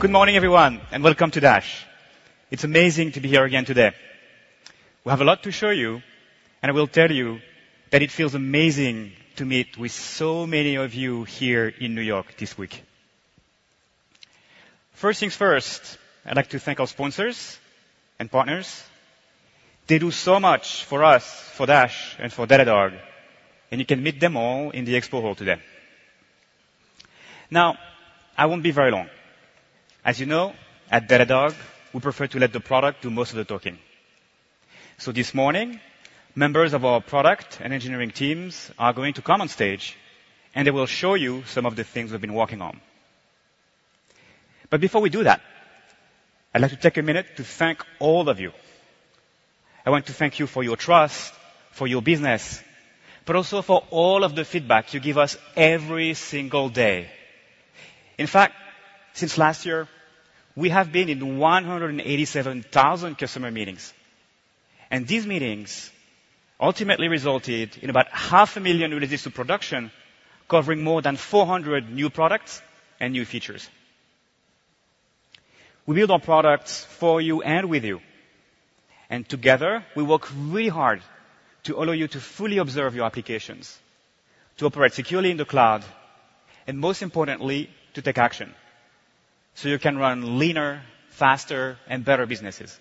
Good morning, everyone, and welcome to DASH. It's amazing to be here again today. We have a lot to show you, and I will tell you that it feels amazing to meet with so many of you here in New York this week. First things first, I'd like to thank our sponsors and partners. They do so much for us, for DASH, and for Datadog, and you can meet them all in the expo hall today. Now, I won't be very long. As you know, at Datadog, we prefer to let the product do most of the talking. So this morning, members of our product and engineering teams are going to come on stage, and they will show you some of the things we've been working on. But before we do that, I'd like to take a minute to thank all of you. I want to thank you for your trust, for your business, but also for all of the feedback you give us every single day. In fact, since last year, we have been in 187,000 customer meetings, and these meetings ultimately resulted in about 500,000 releases to production, covering more than 400 new products and new features. We build our products for you and with you, and together, we work really hard to allow you to fully observe your applications, to operate securely in the cloud, and most importantly, to take action, so you can run leaner, faster, and better businesses.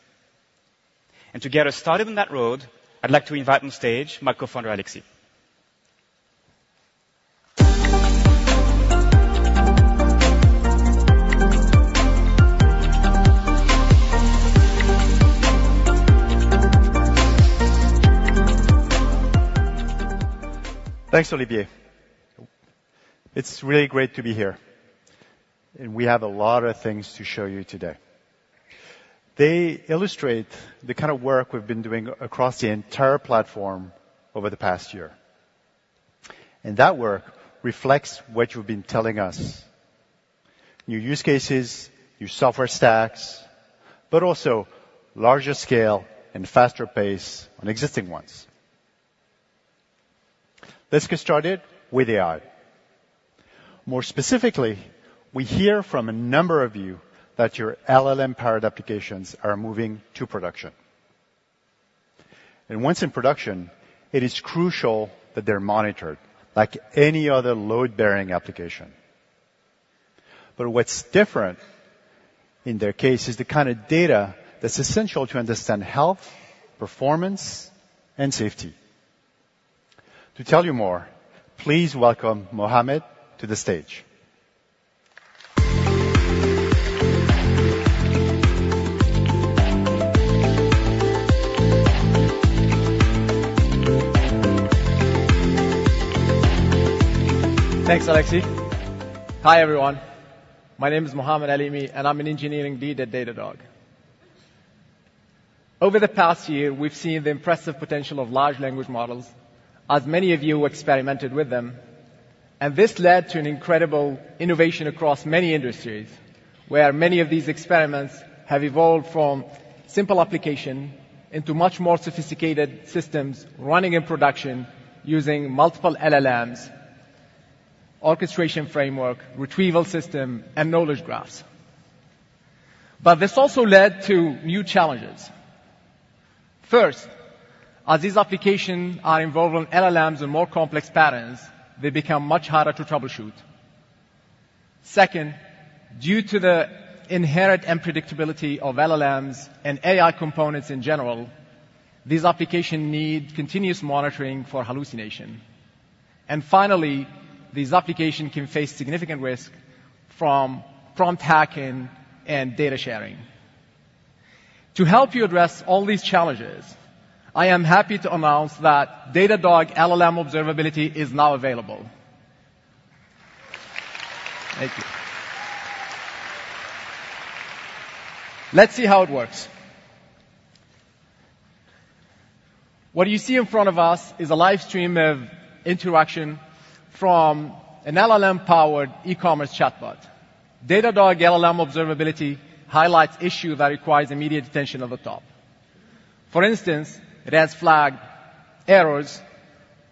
To get us started on that road, I'd like to invite on stage my co-founder, Alexis. Thanks, Olivier. It's really great to be here, and we have a lot of things to show you today. They illustrate the kind of work we've been doing across the entire platform over the past year. That work reflects what you've been telling us: new use cases, new software stacks, but also larger scale and faster pace on existing ones. Let's get started with AI. More specifically, we hear from a number of you that your LLM-powered applications are moving to production. Once in production, it is crucial that they're monitored like any other load-bearing application. But what's different in their case is the kind of data that's essential to understand health, performance, and safety. To tell you more, please welcome Mohamed to the stage. Thanks, Alexis. Hi, everyone. My name is Mohamed Alimi, and I'm an engineering lead at Datadog. Over the past year, we've seen the impressive potential of large language models, as many of you experimented with them, and this led to an incredible innovation across many industries, where many of these experiments have evolved from simple application into much more sophisticated systems running in production using multiple LLMs, orchestration framework, retrieval system, and knowledge graphs. But this also led to new challenges. First, as these applications are involved on LLMs and more complex patterns, they become much harder to troubleshoot. Second, due to the inherent unpredictability of LLMs and AI components in general, these applications need continuous monitoring for hallucination. And finally, these applications can face significant risk from prompt hacking and data sharing. To help you address all these challenges, I am happy to announce that Datadog LLM Observability is now available. Thank you. Let's see how it works. What you see in front of us is a live stream of interaction from an LLM-powered e-commerce chatbot. Datadog LLM Observability highlights issue that requires immediate attention at the top. For instance, it has flagged errors,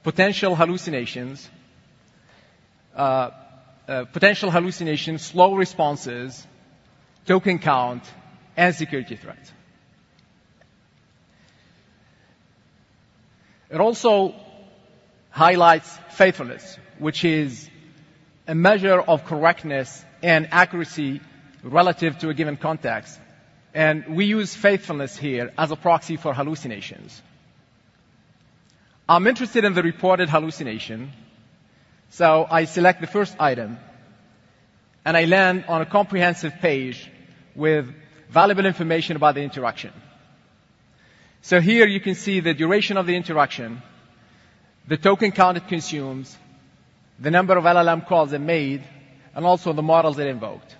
potential hallucinations, potential hallucinations, slow responses, token count, and security threats. It also highlights faithfulness, which is a measure of correctness and accuracy relative to a given context, and we use faithfulness here as a proxy for hallucinations. I'm interested in the reported hallucination, so I select the first item, and I land on a comprehensive page with valuable information about the interaction. So here you can see the duration of the interaction, the token count it consumes, the number of LLM calls it made, and also the models it invoked.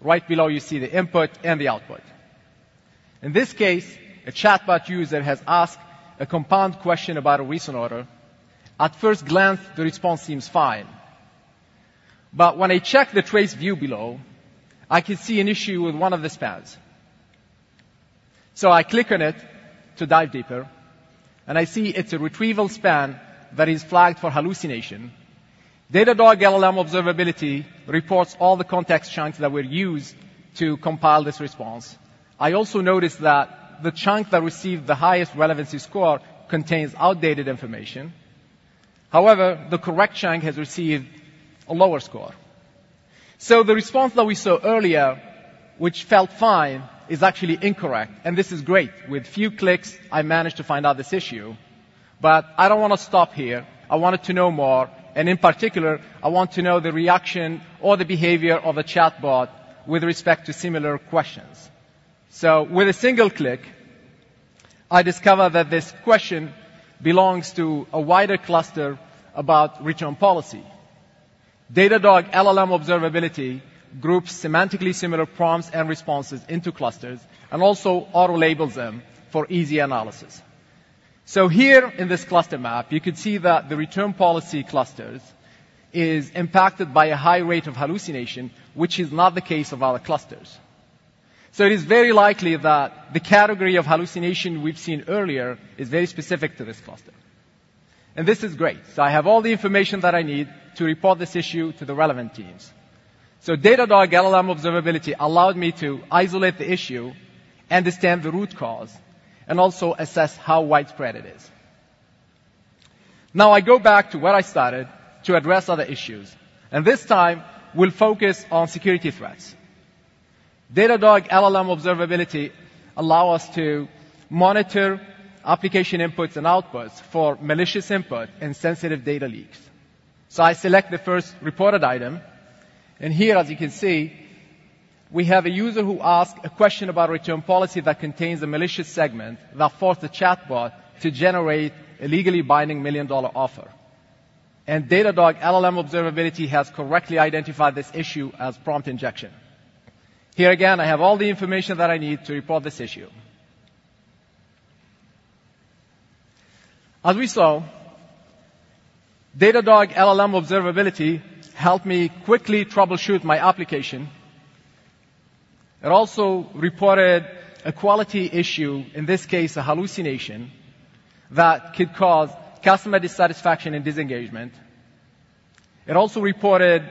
Right below, you see the input and the output. In this case, a chatbot user has asked a compound question about a recent order. At first glance, the response seems fine. But when I check the trace view below, I can see an issue with one of the spans... So I click on it to dive deeper, and I see it's a retrieval span that is flagged for hallucination. Datadog LLM Observability reports all the context chunks that were used to compile this response. I also noticed that the chunk that received the highest relevancy score contains outdated information. However, the correct chunk has received a lower score. The response that we saw earlier, which felt fine, is actually incorrect, and this is great. With few clicks, I managed to find out this issue. I don't wanna stop here, I wanted to know more, and in particular, I want to know the reaction or the behavior of a chatbot with respect to similar questions. With a single click, I discover that this question belongs to a wider cluster about return policy. Datadog LLM Observability groups semantically similar prompts and responses into clusters, and also auto labels them for easy analysis. Here in this cluster map, you can see that the return policy clusters is impacted by a high rate of hallucination, which is not the case of other clusters. It is very likely that the category of hallucination we've seen earlier is very specific to this cluster. This is great. I have all the information that I need to report this issue to the relevant teams. Datadog LLM Observability allowed me to isolate the issue, understand the root cause, and also assess how widespread it is. Now I go back to where I started to address other issues, and this time we'll focus on security threats. Datadog LLM Observability allow us to monitor application inputs and outputs for malicious input and sensitive data leaks. I select the first reported item, and here, as you can see, we have a user who asked a question about return policy that contains a malicious segment that forced the chatbot to generate a legally binding million-dollar offer. Datadog LLM Observability has correctly identified this issue as prompt injection. Here again, I have all the information that I need to report this issue. As we saw, Datadog LLM Observability helped me quickly troubleshoot my application. It also reported a quality issue, in this case, a hallucination, that could cause customer dissatisfaction and disengagement. It also reported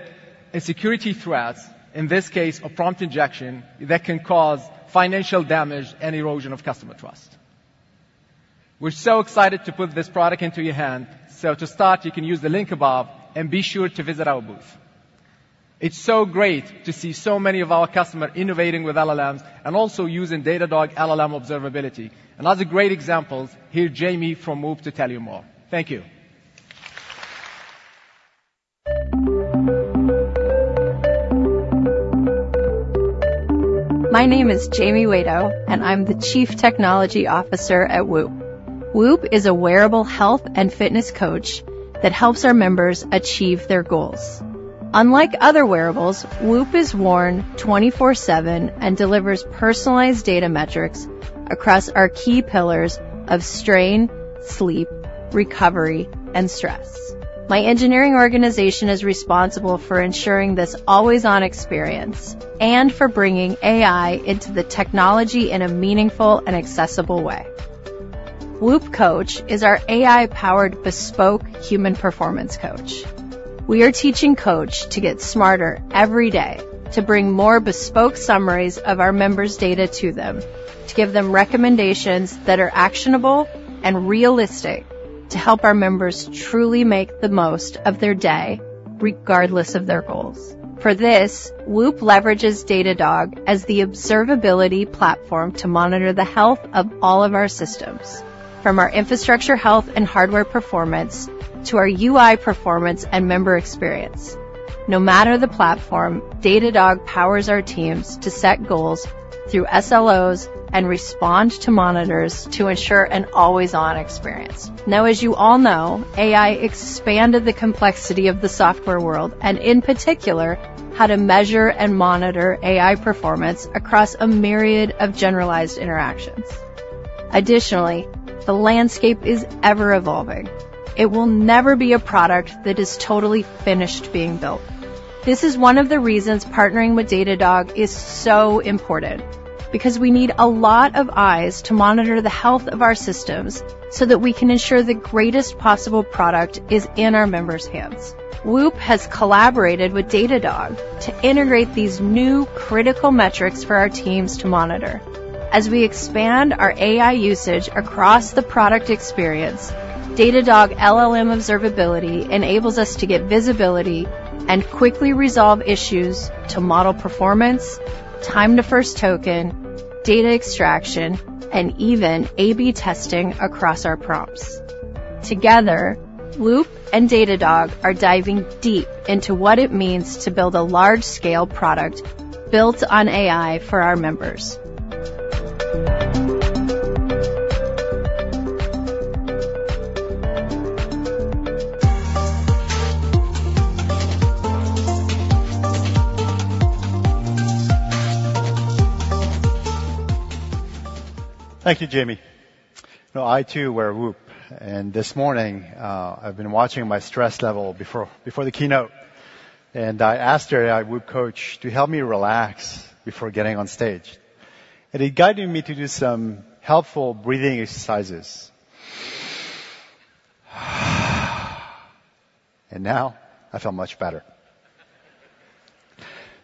a security threat, in this case, a prompt injection that can cause financial damage and erosion of customer trust. We're so excited to put this product into your hand. So to start, you can use the link above and be sure to visit our booth. It's so great to see so many of our customer innovating with LLMs and also using Datadog LLM Observability. Another great examples, here Jaime from WHOOP to tell you more. Thank you. My name is Jaime Waydo, and I'm the Chief Technology Officer at WHOOP. WHOOP is a wearable health and fitness coach that helps our members achieve their goals. Unlike other wearables, WHOOP is worn 24/7 and delivers personalized data metrics across our key pillars of strain, sleep, recovery, and stress. My engineering organization is responsible for ensuring this always-on experience and for bringing AI into the technology in a meaningful and accessible way. WHOOP Coach is our AI-powered, bespoke human performance coach. We are teaching Coach to get smarter every day, to bring more bespoke summaries of our members' data to them, to give them recommendations that are actionable and realistic, to help our members truly make the most of their day, regardless of their goals. For this, WHOOP leverages Datadog as the observability platform to monitor the health of all of our systems, from our infrastructure health and hardware performance to our UI performance and member experience. No matter the platform, Datadog powers our teams to set goals through SLOs and respond to monitors to ensure an always-on experience. Now, as you all know, AI expanded the complexity of the software world, and in particular, how to measure and monitor AI performance across a myriad of generalized interactions. Additionally, the landscape is ever-evolving. It will never be a product that is totally finished being built. This is one of the reasons partnering with Datadog is so important, because we need a lot of eyes to monitor the health of our systems so that we can ensure the greatest possible product is in our members' hands. WHOOP has collaborated with Datadog to integrate these new critical metrics for our teams to monitor. As we expand our AI usage across the product experience, Datadog LLM Observability enables us to get visibility and quickly resolve issues to model performance, time to first token, data extraction, and even A/B testing across our prompts. Together, WHOOP and Datadog are diving deep into what it means to build a large-scale product built on AI for our members. Thank you, Jaime. You know, I, too, wear a WHOOP, and this morning, I've been watching my stress level before the keynote. I asked our AI WHOOP Coach to help me relax before getting on stage. It guided me to do some helpful breathing exercises. Now I feel much better.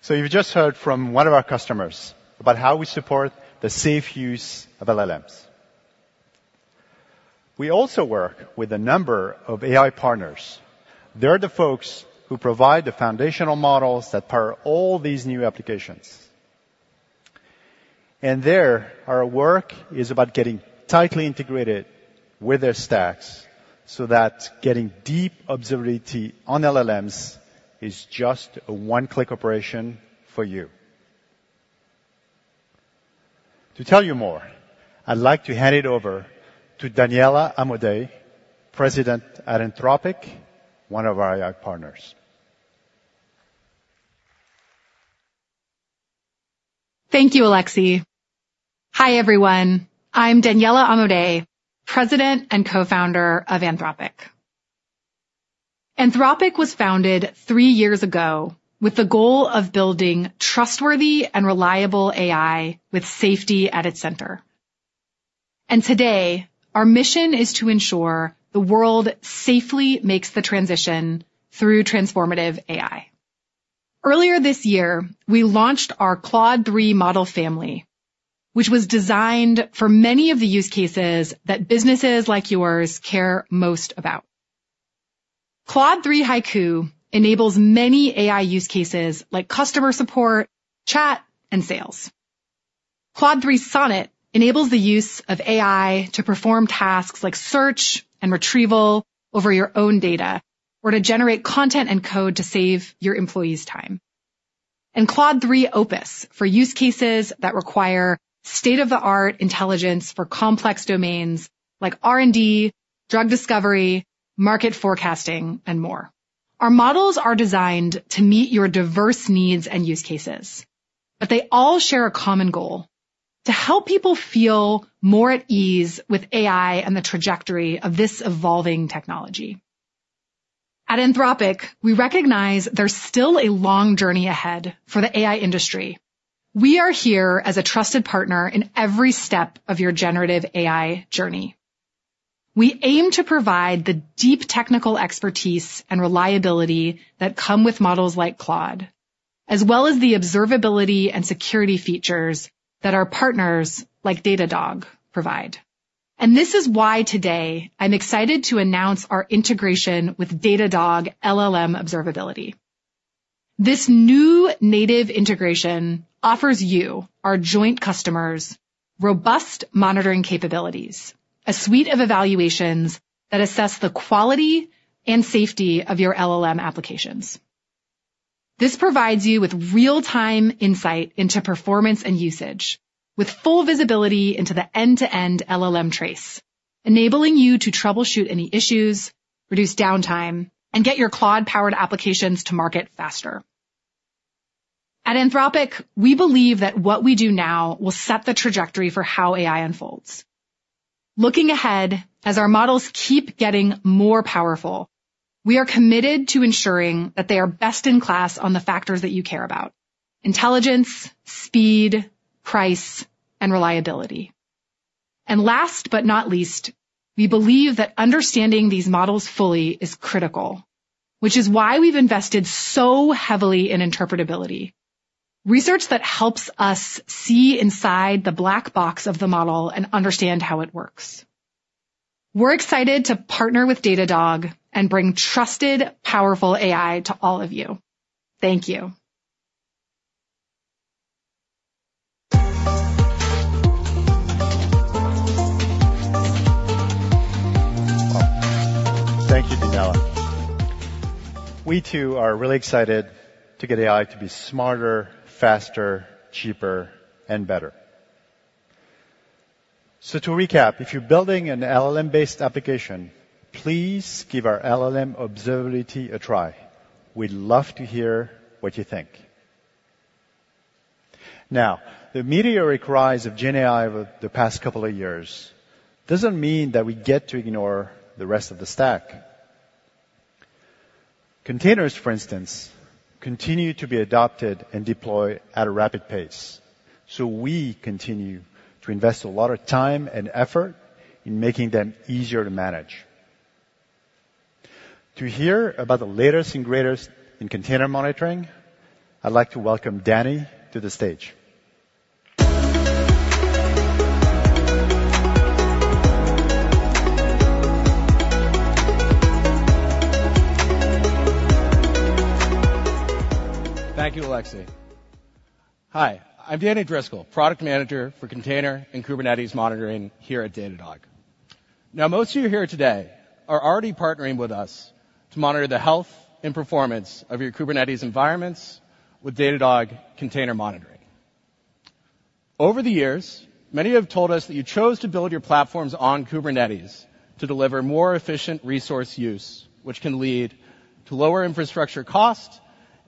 So you've just heard from one of our customers about how we support the safe use of LLMs. We also work with a number of AI partners. They're the folks who provide the foundational models that power all these new applications. There, our work is about getting tightly integrated with their stacks so that getting deep observability on LLMs is just a one-click operation for you. To tell you more, I'd like to hand it over to Daniela Amodei, President at Anthropic, one of our AI partners. Thank you, Alexis. Hi, everyone. I'm Daniela Amodei, President and Co-founder of Anthropic. Anthropic was founded three years ago with the goal of building trustworthy and reliable AI with safety at its center. Today, our mission is to ensure the world safely makes the transition through transformative AI. Earlier this year, we launched our Claude 3 model family, which was designed for many of the use cases that businesses like yours care most about. Claude 3 Haiku enables many AI use cases like customer support, chat, and sales. Claude 3 Sonnet enables the use of AI to perform tasks like search and retrieval over your own data, or to generate content and code to save your employees time. And Claude 3 Opus, for use cases that require state-of-the-art intelligence for complex domains like R&D, drug discovery, market forecasting, and more. Our models are designed to meet your diverse needs and use cases, but they all share a common goal: to help people feel more at ease with AI and the trajectory of this evolving technology. At Anthropic, we recognize there's still a long journey ahead for the AI industry. We are here as a trusted partner in every step of your generative AI journey. We aim to provide the deep technical expertise and reliability that come with models like Claude, as well as the observability and security features that our partners, like Datadog, provide. And this is why today I'm excited to announce our integration with Datadog LLM Observability. This new native integration offers you, our joint customers, robust monitoring capabilities, a suite of evaluations that assess the quality and safety of your LLM applications. This provides you with real-time insight into performance and usage, with full visibility into the end-to-end LLM trace, enabling you to troubleshoot any issues, reduce downtime, and get your Claude-powered applications to market faster. At Anthropic, we believe that what we do now will set the trajectory for how AI unfolds. Looking ahead, as our models keep getting more powerful, we are committed to ensuring that they are best-in-class on the factors that you care about: intelligence, speed, price, and reliability. And last but not least, we believe that understanding these models fully is critical, which is why we've invested so heavily in interpretability research that helps us see inside the black box of the model and understand how it works. We're excited to partner with Datadog and bring trusted, powerful AI to all of you. Thank you. Thank you, Daniela. We, too, are really excited to get AI to be smarter, faster, cheaper, and better. So to recap, if you're building an LLM-based application, please give our LLM Observability a try. We'd love to hear what you think. Now, the meteoric rise of GenAI over the past couple of years doesn't mean that we get to ignore the rest of the stack. Containers, for instance, continue to be adopted and deployed at a rapid pace, so we continue to invest a lot of time and effort in making them easier to manage. To hear about the latest and greatest in container monitoring, I'd like to welcome Danny to the stage. Thank you, Alexis. Hi, I'm Danny Driscoll, Product Manager for Container and Kubernetes Monitoring here at Datadog. Now, most of you here today are already partnering with us to monitor the health and performance of your Kubernetes environments with Datadog Container Monitoring. Over the years, many have told us that you chose to build your platforms on Kubernetes to deliver more efficient resource use, which can lead to lower infrastructure costs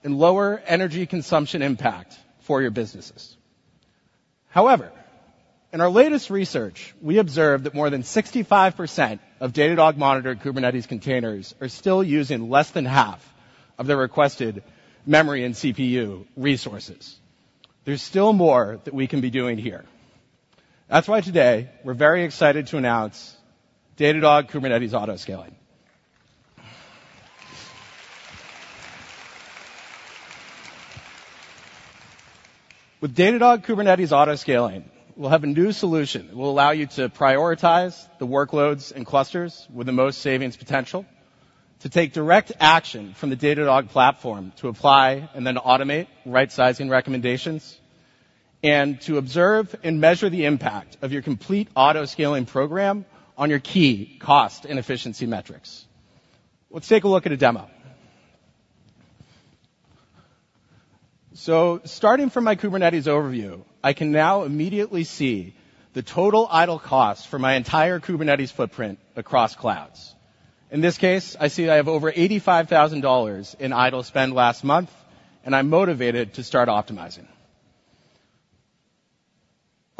and lower energy consumption impact for your businesses. However, in our latest research, we observed that more than 65% of Datadog-monitored Kubernetes containers are still using less than half of their requested memory and CPU resources. There's still more that we can be doing here. That's why today we're very excited to announce Datadog Kubernetes Autoscaling. With Datadog Kubernetes Autoscaling, we'll have a new solution that will allow you to prioritize the workloads and clusters with the most savings potential, to take direct action from the Datadog platform to apply and then automate right-sizing recommendations, and to observe and measure the impact of your complete autoscaling program on your key cost and efficiency metrics. Let's take a look at a demo. So starting from my Kubernetes overview, I can now immediately see the total idle cost for my entire Kubernetes footprint across clouds. In this case, I see that I have over $85,000 in idle spend last month, and I'm motivated to start optimizing.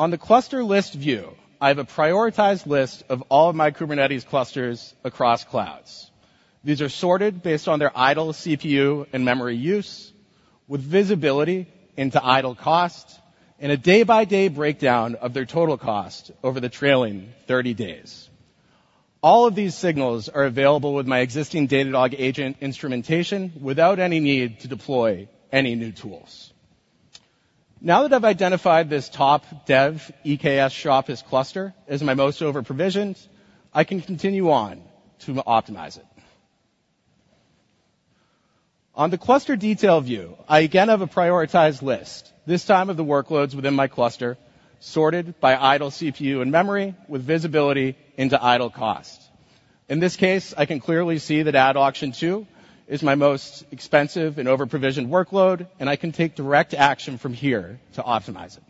On the cluster list view, I have a prioritized list of all of my Kubernetes clusters across clouds. These are sorted based on their idle CPU and memory use, with visibility into idle cost and a day-by-day breakdown of their total cost over the trailing 30 days. All of these signals are available with my existing Datadog Agent instrumentation without any need to deploy any new tools. Now that I've identified this top dev EKS Shoppers cluster as my most overprovisioned, I can continue on to optimize it. On the cluster detail view, I again have a prioritized list, this time of the workloads within my cluster, sorted by idle CPU and memory with visibility into idle cost. In this case, I can clearly see that Ad Auction 2 is my most expensive and overprovisioned workload, and I can take direct action from here to optimize it.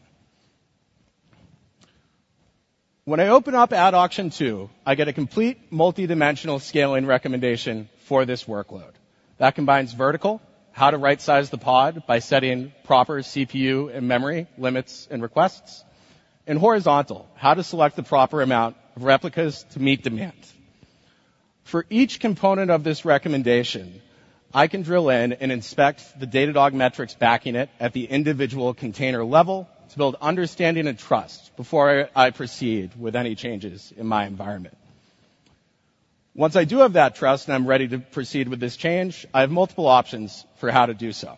When I open up Ad Auction 2, I get a complete multidimensional scaling recommendation for this workload. That combines vertical, how to right-size the pod by setting proper CPU and memory limits and requests, and horizontal, how to select the proper amount of replicas to meet demand. For each component of this recommendation, I can drill in and inspect the Datadog metrics backing it at the individual container level to build understanding and trust before I proceed with any changes in my environment. Once I do have that trust and I'm ready to proceed with this change, I have multiple options for how to do so.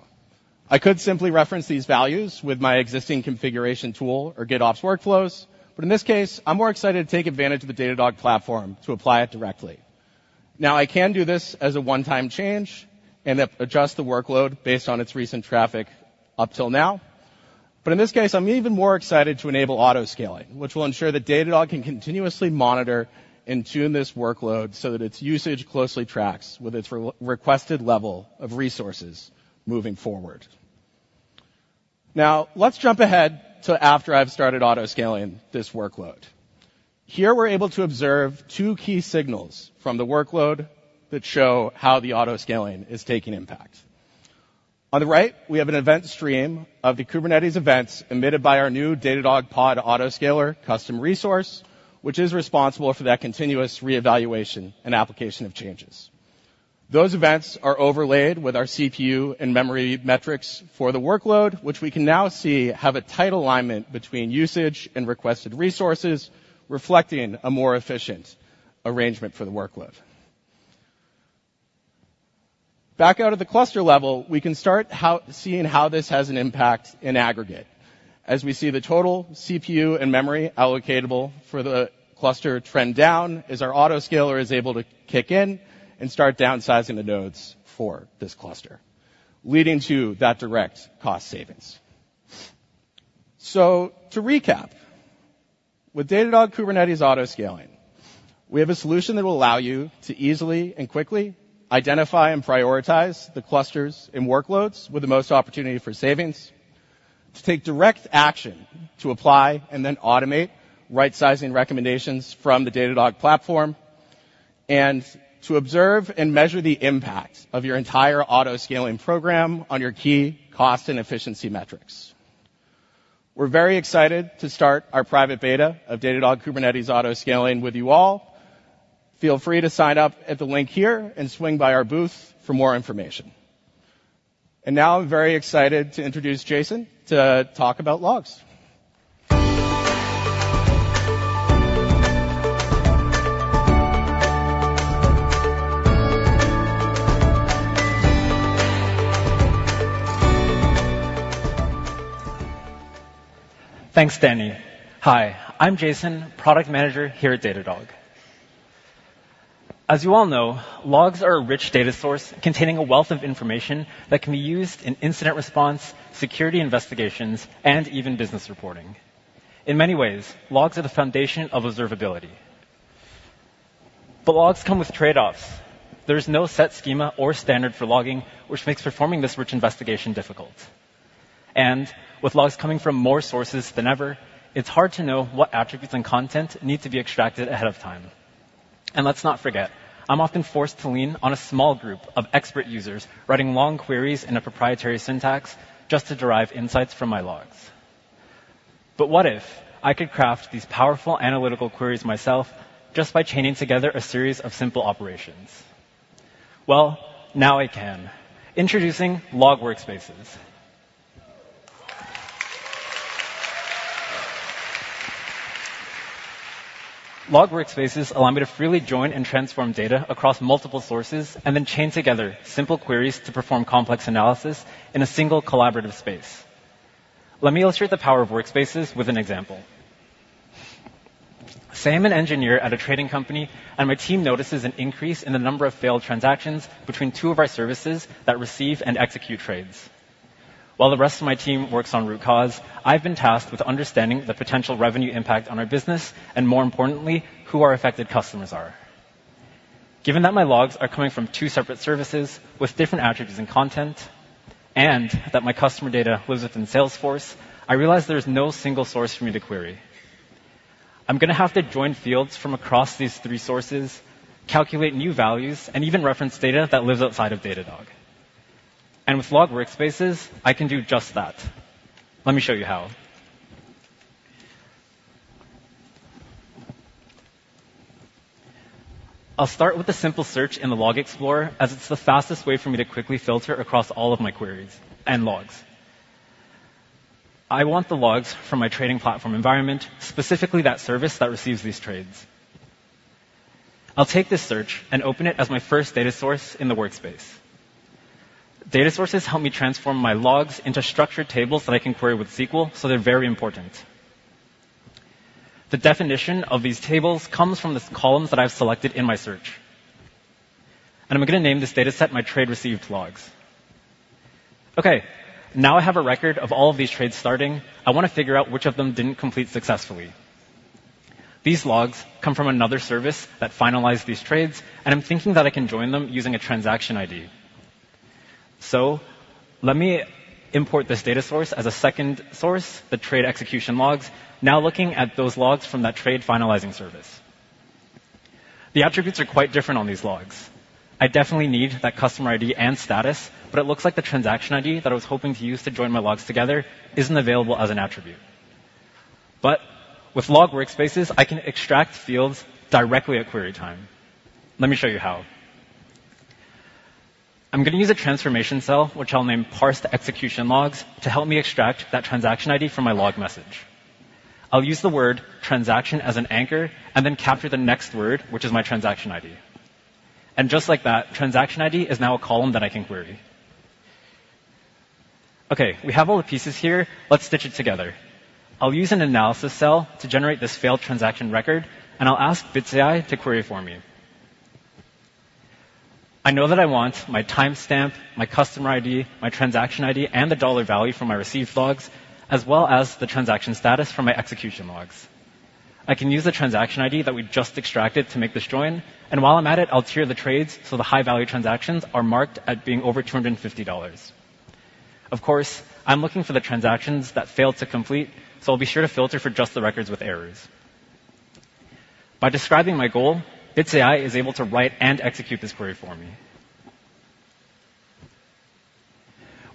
I could simply reference these values with my existing configuration tool or GitOps workflows, but in this case, I'm more excited to take advantage of the Datadog platform to apply it directly. Now, I can do this as a one-time change and then adjust the workload based on its recent traffic up till now. But in this case, I'm even more excited to enable autoscaling, which will ensure that Datadog can continuously monitor and tune this workload so that its usage closely tracks with its re-requested level of resources moving forward. Now, let's jump ahead to after I've started autoscaling this workload. Here, we're able to observe two key signals from the workload that show how the autoscaling is taking impact. On the right, we have an event stream of the Kubernetes events emitted by our new Datadog Pod Autoscaler custom resource, which is responsible for that continuous reevaluation and application of changes. Those events are overlaid with our CPU and memory metrics for the workload, which we can now see have a tight alignment between usage and requested resources, reflecting a more efficient arrangement for the workload. Back out at the cluster level, we can start seeing how this has an impact in aggregate. As we see, the total CPU and memory allocatable for the cluster trend down as our autoscaler is able to kick in and start downsizing the nodes for this cluster, leading to that direct cost savings. So to recap, with Datadog Kubernetes Autoscaling, we have a solution that will allow you to easily and quickly identify and prioritize the clusters and workloads with the most opportunity for savings, to take direct action to apply and then automate right-sizing recommendations from the Datadog platform, and to observe and measure the impact of your entire autoscaling program on your key cost and efficiency metrics. We're very excited to start our private beta of Datadog Kubernetes Autoscaling with you all. Feel free to sign up at the link here and swing by our booth for more information. Now I'm very excited to introduce Jason to talk about logs. Thanks, Danny. Hi, I'm Jason, Product Manager here at Datadog. As you all know, logs are a rich data source containing a wealth of information that can be used in incident response, security investigations, and even business reporting. In many ways, logs are the foundation of Observability. But logs come with trade-offs. There's no set schema or standard for logging, which makes performing this rich investigation difficult. With logs coming from more sources than ever, it's hard to know what attributes and content need to be extracted ahead of time. And let's not forget, I'm often forced to lean on a small group of expert users writing long queries in a proprietary syntax just to derive insights from my logs. But what if I could craft these powerful analytical queries myself just by chaining together a series of simple operations? Well, now I can. Introducing Log Workspaces. Log Workspaces allow me to freely join and transform data across multiple sources, and then chain together simple queries to perform complex analysis in a single collaborative space. Let me illustrate the power of Workspaces with an example. Say I'm an engineer at a trading company, and my team notices an increase in the number of failed transactions between two of our services that receive and execute trades. While the rest of my team works on root cause, I've been tasked with understanding the potential revenue impact on our business, and more importantly, who our affected customers are. Given that my logs are coming from two separate services with different attributes and content, and that my customer data lives within Salesforce, I realize there's no single source for me to query. I'm going to have to join fields from across these three sources, calculate new values, and even reference data that lives outside of Datadog. With Log Workspaces, I can do just that. Let me show you how. I'll start with a simple search in the Log Explorer, as it's the fastest way for me to quickly filter across all of my queries and logs. I want the logs from my trading platform environment, specifically that service that receives these trades. I'll take this search and open it as my first data source in the Workspace. Data sources help me transform my logs into structured tables that I can query with SQL, so they're very important. The definition of these tables comes from the columns that I've selected in my search, and I'm going to name this data set My Trade Received Logs. Okay, now I have a record of all of these trades starting. I want to figure out which of them didn't complete successfully. These logs come from another service that finalized these trades, and I'm thinking that I can join them using a transaction ID. So let me import this data source as a second source, the Trade Execution Logs. Now, looking at those logs from that trade finalizing service, the attributes are quite different on these logs. I definitely need that customer ID and status, but it looks like the transaction ID that I was hoping to use to join my logs together isn't available as an attribute. But with Log Workspaces, I can extract fields directly at query time. Let me show you how. I'm going to use a transformation cell, which I'll name Parsed Execution Logs, to help me extract that transaction ID from my log message. I'll use the word transaction as an anchor and then capture the next word, which is my transaction ID. And just like that, transaction ID is now a column that I can query. Okay, we have all the pieces here. Let's stitch it together. I'll use an analysis cell to generate this failed transaction record, and I'll ask Bits AI to query it for me. I know that I want my timestamp, my customer ID, my transaction ID, and the dollar value for my received logs, as well as the transaction status for my execution logs. I can use the transaction ID that we just extracted to make this join, and while I'm at it, I'll tier the trades so the high-value transactions are marked as being over $250. Of course, I'm looking for the transactions that failed to complete, so I'll be sure to filter for just the records with errors. By describing my goal, Bits AI is able to write and execute this query for me.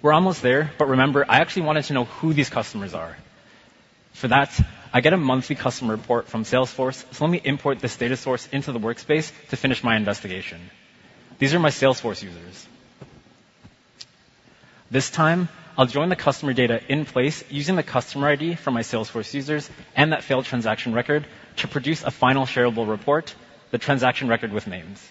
We're almost there, but remember, I actually wanted to know who these customers are. For that, I get a monthly customer report from Salesforce, so let me import this data source into the Workspace to finish my investigation. These are my Salesforce users. This time, I'll join the customer data in place using the customer ID for my Salesforce users and that failed transaction record to produce a final shareable report, the transaction record with names.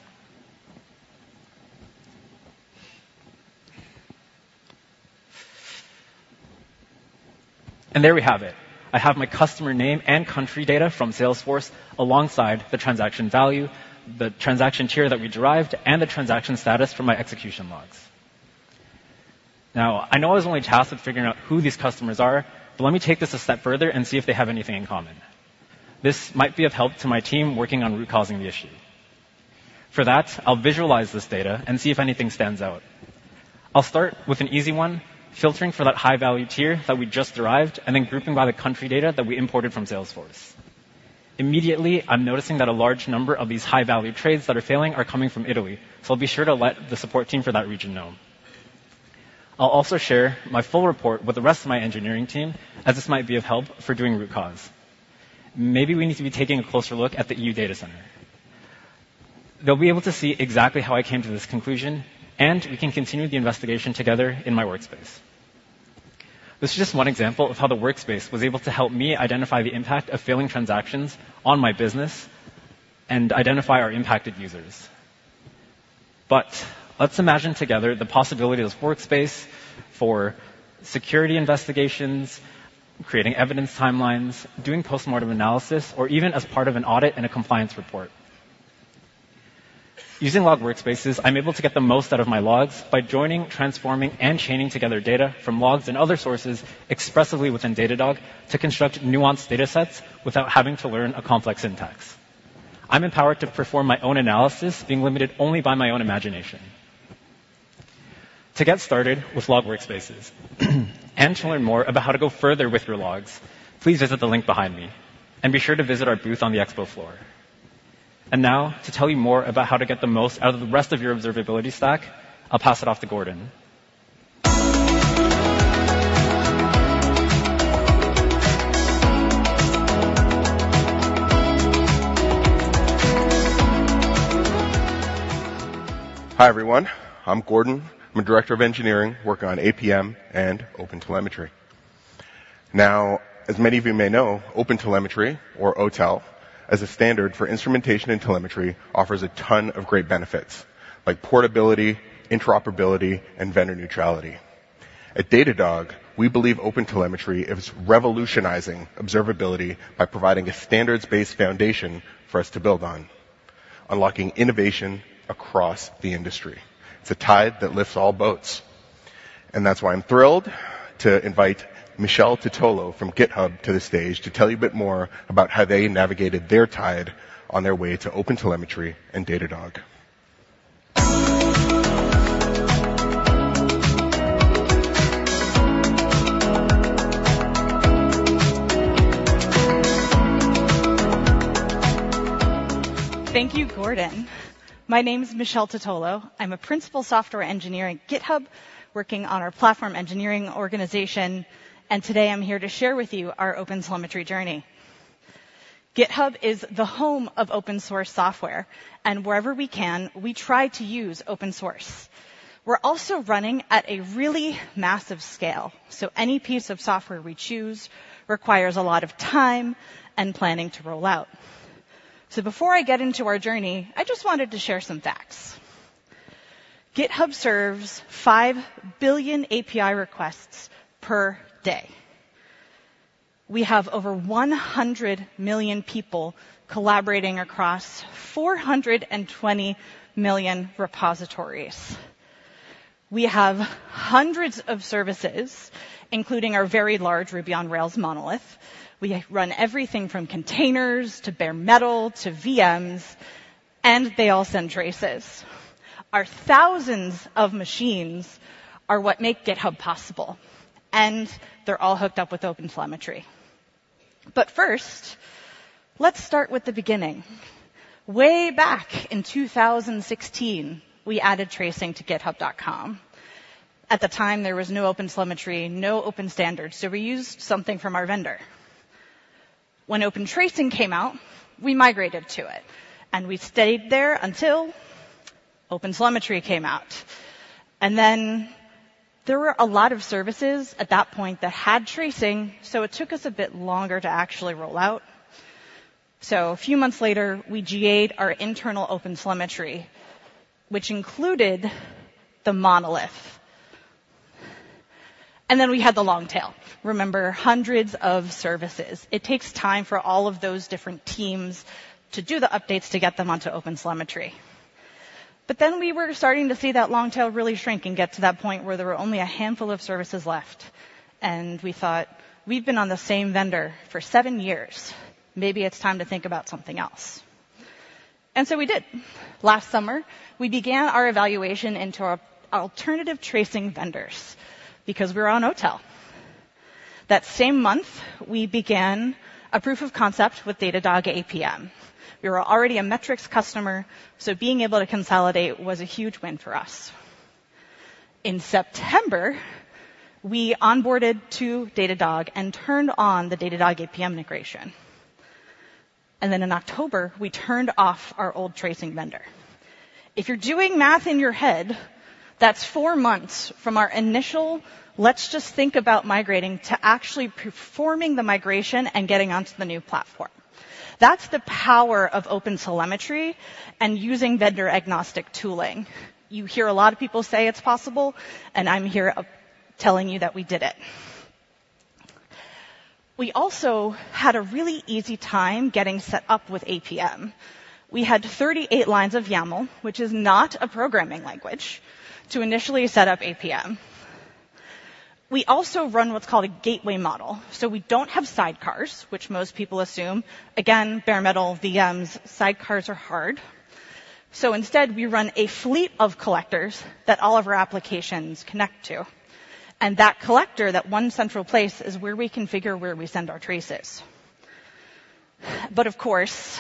There we have it. I have my customer name and country data from Salesforce alongside the transaction value, the transaction tier that we derived, and the transaction status from my execution logs. Now, I know I was only tasked with figuring out who these customers are, but let me take this a step further and see if they have anything in common. This might be of help to my team working on root causing the issue. For that, I'll visualize this data and see if anything stands out. I'll start with an easy one, filtering for that high-value tier that we just derived, and then grouping by the country data that we imported from Salesforce. Immediately, I'm noticing that a large number of these high-value trades that are failing are coming from Italy, so I'll be sure to let the support team for that region know. I'll also share my full report with the rest of my engineering team, as this might be of help for doing root cause. Maybe we need to be taking a closer look at the EU data center. They'll be able to see exactly how I came to this conclusion, and we can continue the investigation together in my Workspace. This is just one example of how the Workspace was able to help me identify the impact of failing transactions on my business and identify our impacted users. But let's imagine together the possibility of this Workspace for security investigations, creating evidence timelines, doing postmortem analysis, or even as part of an audit and a compliance report. Using Log Workspaces, I'm able to get the most out of my logs by joining, transforming, and chaining together data from logs and other sources expressively within Datadog to construct nuanced data sets without having to learn a complex syntax.... I'm empowered to perform my own analysis, being limited only by my own imagination. To get started with Log Workspaces, and to learn more about how to go further with your logs, please visit the link behind me, and be sure to visit our booth on the expo floor. And now, to tell you more about how to get the most out of the rest of your Observability stack, I'll pass it off to Gordon. Hi, everyone. I'm Gordon. I'm a director of engineering, working on APM and OpenTelemetry. Now, as many of you may know, OpenTelemetry or OTel, as a standard for instrumentation and telemetry, offers a ton of great benefits like portability, interoperability, and vendor neutrality. At Datadog, we believe OpenTelemetry is revolutionizing observability by providing a standards-based foundation for us to build on, unlocking innovation across the industry. It's a tide that lifts all boats, and that's why I'm thrilled to invite Michelle Titolo from GitHub to the stage to tell you a bit more about how they navigated their tide on their way to OpenTelemetry and Datadog. Thank you, Gordon. My name is Michelle Titolo. I'm a principal software engineer at GitHub, working on our platform engineering organization, and today I'm here to share with you our OpenTelemetry journey. GitHub is the home of open source software, and wherever we can, we try to use open source. We're also running at a really massive scale, so any piece of software we choose requires a lot of time and planning to roll out. Before I get into our journey, I just wanted to share some facts. GitHub serves 5 billion API requests per day. We have over 100 million people collaborating across 420 million repositories. We have hundreds of services, including our very large Ruby on Rails monolith. We run everything from containers, to bare metal, to VMs, and they all send traces. Our thousands of machines are what make GitHub possible, and they're all hooked up with OpenTelemetry. But first, let's start with the beginning. Way back in 2016, we added tracing to GitHub.com. At the time, there was no OpenTelemetry, no open standards, so we used something from our vendor. When OpenTracing came out, we migrated to it, and we stayed there until OpenTelemetry came out. And then there were a lot of services at that point that had tracing, so it took us a bit longer to actually roll out. So a few months later, we GA'd our internal OpenTelemetry, which included the monolith. And then we had the long tail. Remember, hundreds of services. It takes time for all of those different teams to do the updates to get them onto OpenTelemetry. But then we were starting to see that long tail really shrink and get to that point where there were only a handful of services left, and we thought, "We've been on the same vendor for seven years. Maybe it's time to think about something else." And so we did. Last summer, we began our evaluation into our alternative tracing vendors because we were on OTel. That same month, we began a proof of concept with Datadog APM. We were already a metrics customer, so being able to consolidate was a huge win for us. In September, we onboarded to Datadog and turned on the Datadog APM integration. And then in October, we turned off our old tracing vendor. If you're doing math in your head, that's four months from our initial, "Let's just think about migrating," to actually performing the migration and getting onto the new platform. That's the power of OpenTelemetry and using vendor-agnostic tooling. You hear a lot of people say it's possible, and I'm here telling you that we did it. We also had a really easy time getting set up with APM. We had 38 lines of YAML, which is not a programming language, to initially set up APM. We also run what's called a gateway model, so we don't have sidecars, which most people assume. Again, bare metal, VMs, sidecars are hard. So instead, we run a fleet of collectors that all of our applications connect to, and that collector, that one central place, is where we configure where we send our traces. But of course,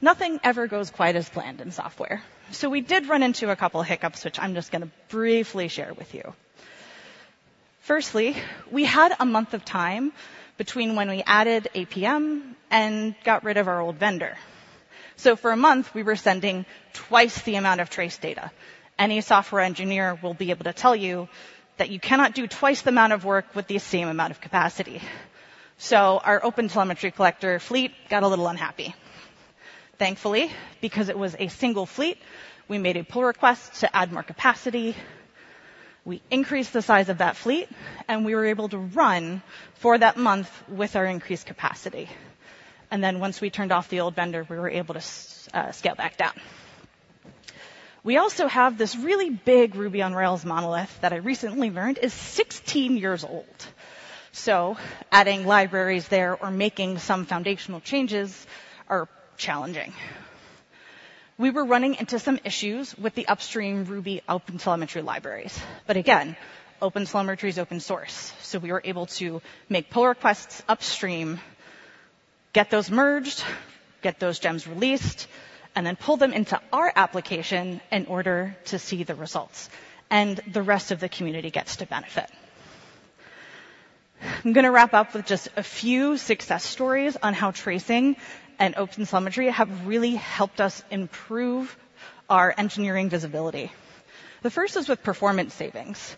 nothing ever goes quite as planned in software. So we did run into a couple of hiccups, which I'm just gonna briefly share with you. Firstly, we had a month of time between when we added APM and got rid of our old vendor. So for a month, we were sending twice the amount of trace data. Any software engineer will be able to tell you that you cannot do twice the amount of work with the same amount of capacity. So our OpenTelemetry collector fleet got a little unhappy. Thankfully, because it was a single fleet, we made a pull request to add more capacity. We increased the size of that fleet, and we were able to run for that month with our increased capacity. And then once we turned off the old vendor, we were able to scale back down. We also have this really big Ruby on Rails monolith that I recently learned is 16 years old. So adding libraries there or making some foundational changes are challenging. We were running into some issues with the upstream Ruby OpenTelemetry libraries. But again, OpenTelemetry is open source, so we were able to make pull requests upstream, get those merged, get those gems released, and then pull them into our application in order to see the results, and the rest of the community gets to benefit. I'm gonna wrap up with just a few success stories on how tracing and OpenTelemetry have really helped us improve our engineering visibility. The first is with performance savings.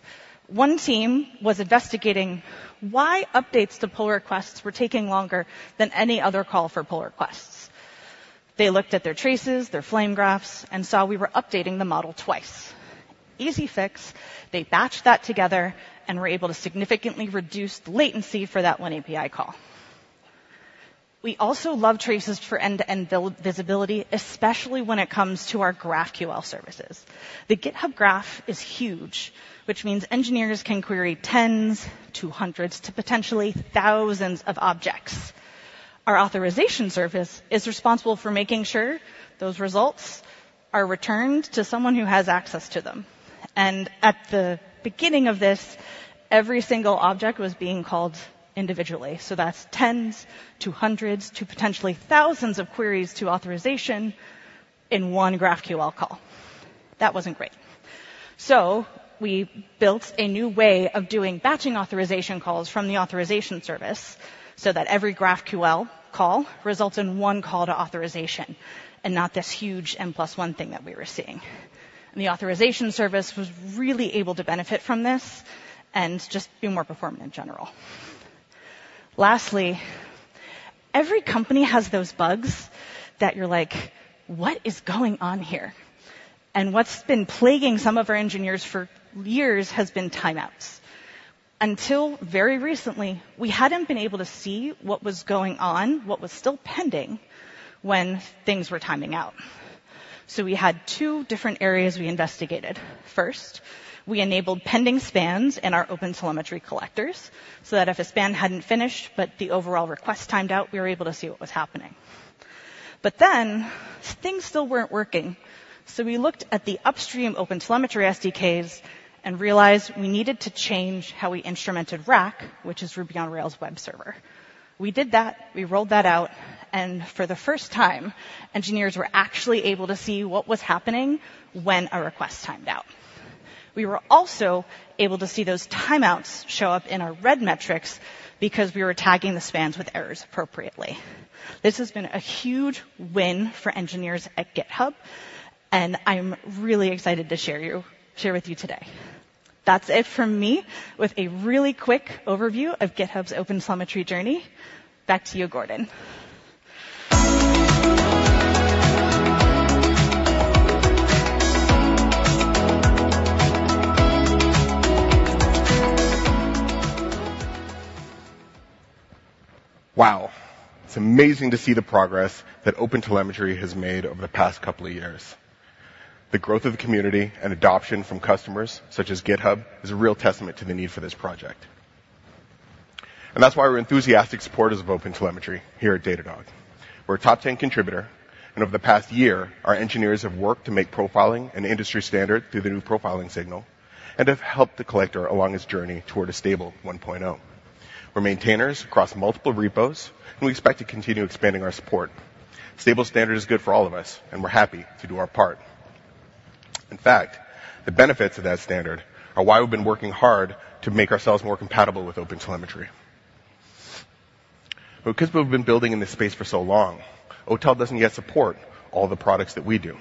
One team was investigating why updates to pull requests were taking longer than any other call for pull requests. They looked at their traces, their flame graphs, and saw we were updating the model twice. Easy fix. They batched that together and were able to significantly reduce the latency for that one API call. We also love traces for end-to-end build visibility, especially when it comes to our GraphQL services. The GitHub graph is huge, which means engineers can query tens to hundreds to potentially thousands of objects. Our authorization service is responsible for making sure those results are returned to someone who has access to them. And at the beginning of this, every single object was being called individually, so that's tens to hundreds to potentially thousands of queries to authorization in one GraphQL call. That wasn't great. So we built a new way of doing batching authorization calls from the authorization service, so that every GraphQL call results in one call to authorization, and not this huge N+1 thing that we were seeing. And the authorization service was really able to benefit from this and just be more performant in general. Lastly, every company has those bugs that you're like: "What is going on here?" And what's been plaguing some of our engineers for years has been timeouts. Until very recently, we hadn't been able to see what was going on, what was still pending when things were timing out. So we had two different areas we investigated. First, we enabled pending spans in our OpenTelemetry collectors, so that if a span hadn't finished but the overall request timed out, we were able to see what was happening. But then, things still weren't working. So we looked at the upstream OpenTelemetry SDKs and realized we needed to change how we instrumented Rack, which is Ruby on Rails web server. We did that, we rolled that out, and for the first time, engineers were actually able to see what was happening when a request timed out. We were also able to see those timeouts show up in our RED metrics because we were tagging the spans with errors appropriately. This has been a huge win for engineers at GitHub, and I'm really excited to share with you today. That's it from me with a really quick overview of GitHub's OpenTelemetry journey. Back to you, Gordon. Wow! It's amazing to see the progress that OpenTelemetry has made over the past couple of years. The growth of the community and adoption from customers, such as GitHub, is a real testament to the need for this project. And that's why we're enthusiastic supporters of OpenTelemetry here at Datadog. We're a top 10 contributor, and over the past year, our engineers have worked to make profiling an industry standard through the new profiling signal and have helped the collector along his journey toward a stable 1.0. We're maintainers across multiple repos, and we expect to continue expanding our support. Stable standard is good for all of us, and we're happy to do our part. In fact, the benefits of that standard are why we've been working hard to make ourselves more compatible with OpenTelemetry. Because we've been building in this space for so long, OTel doesn't yet support all the products that we do.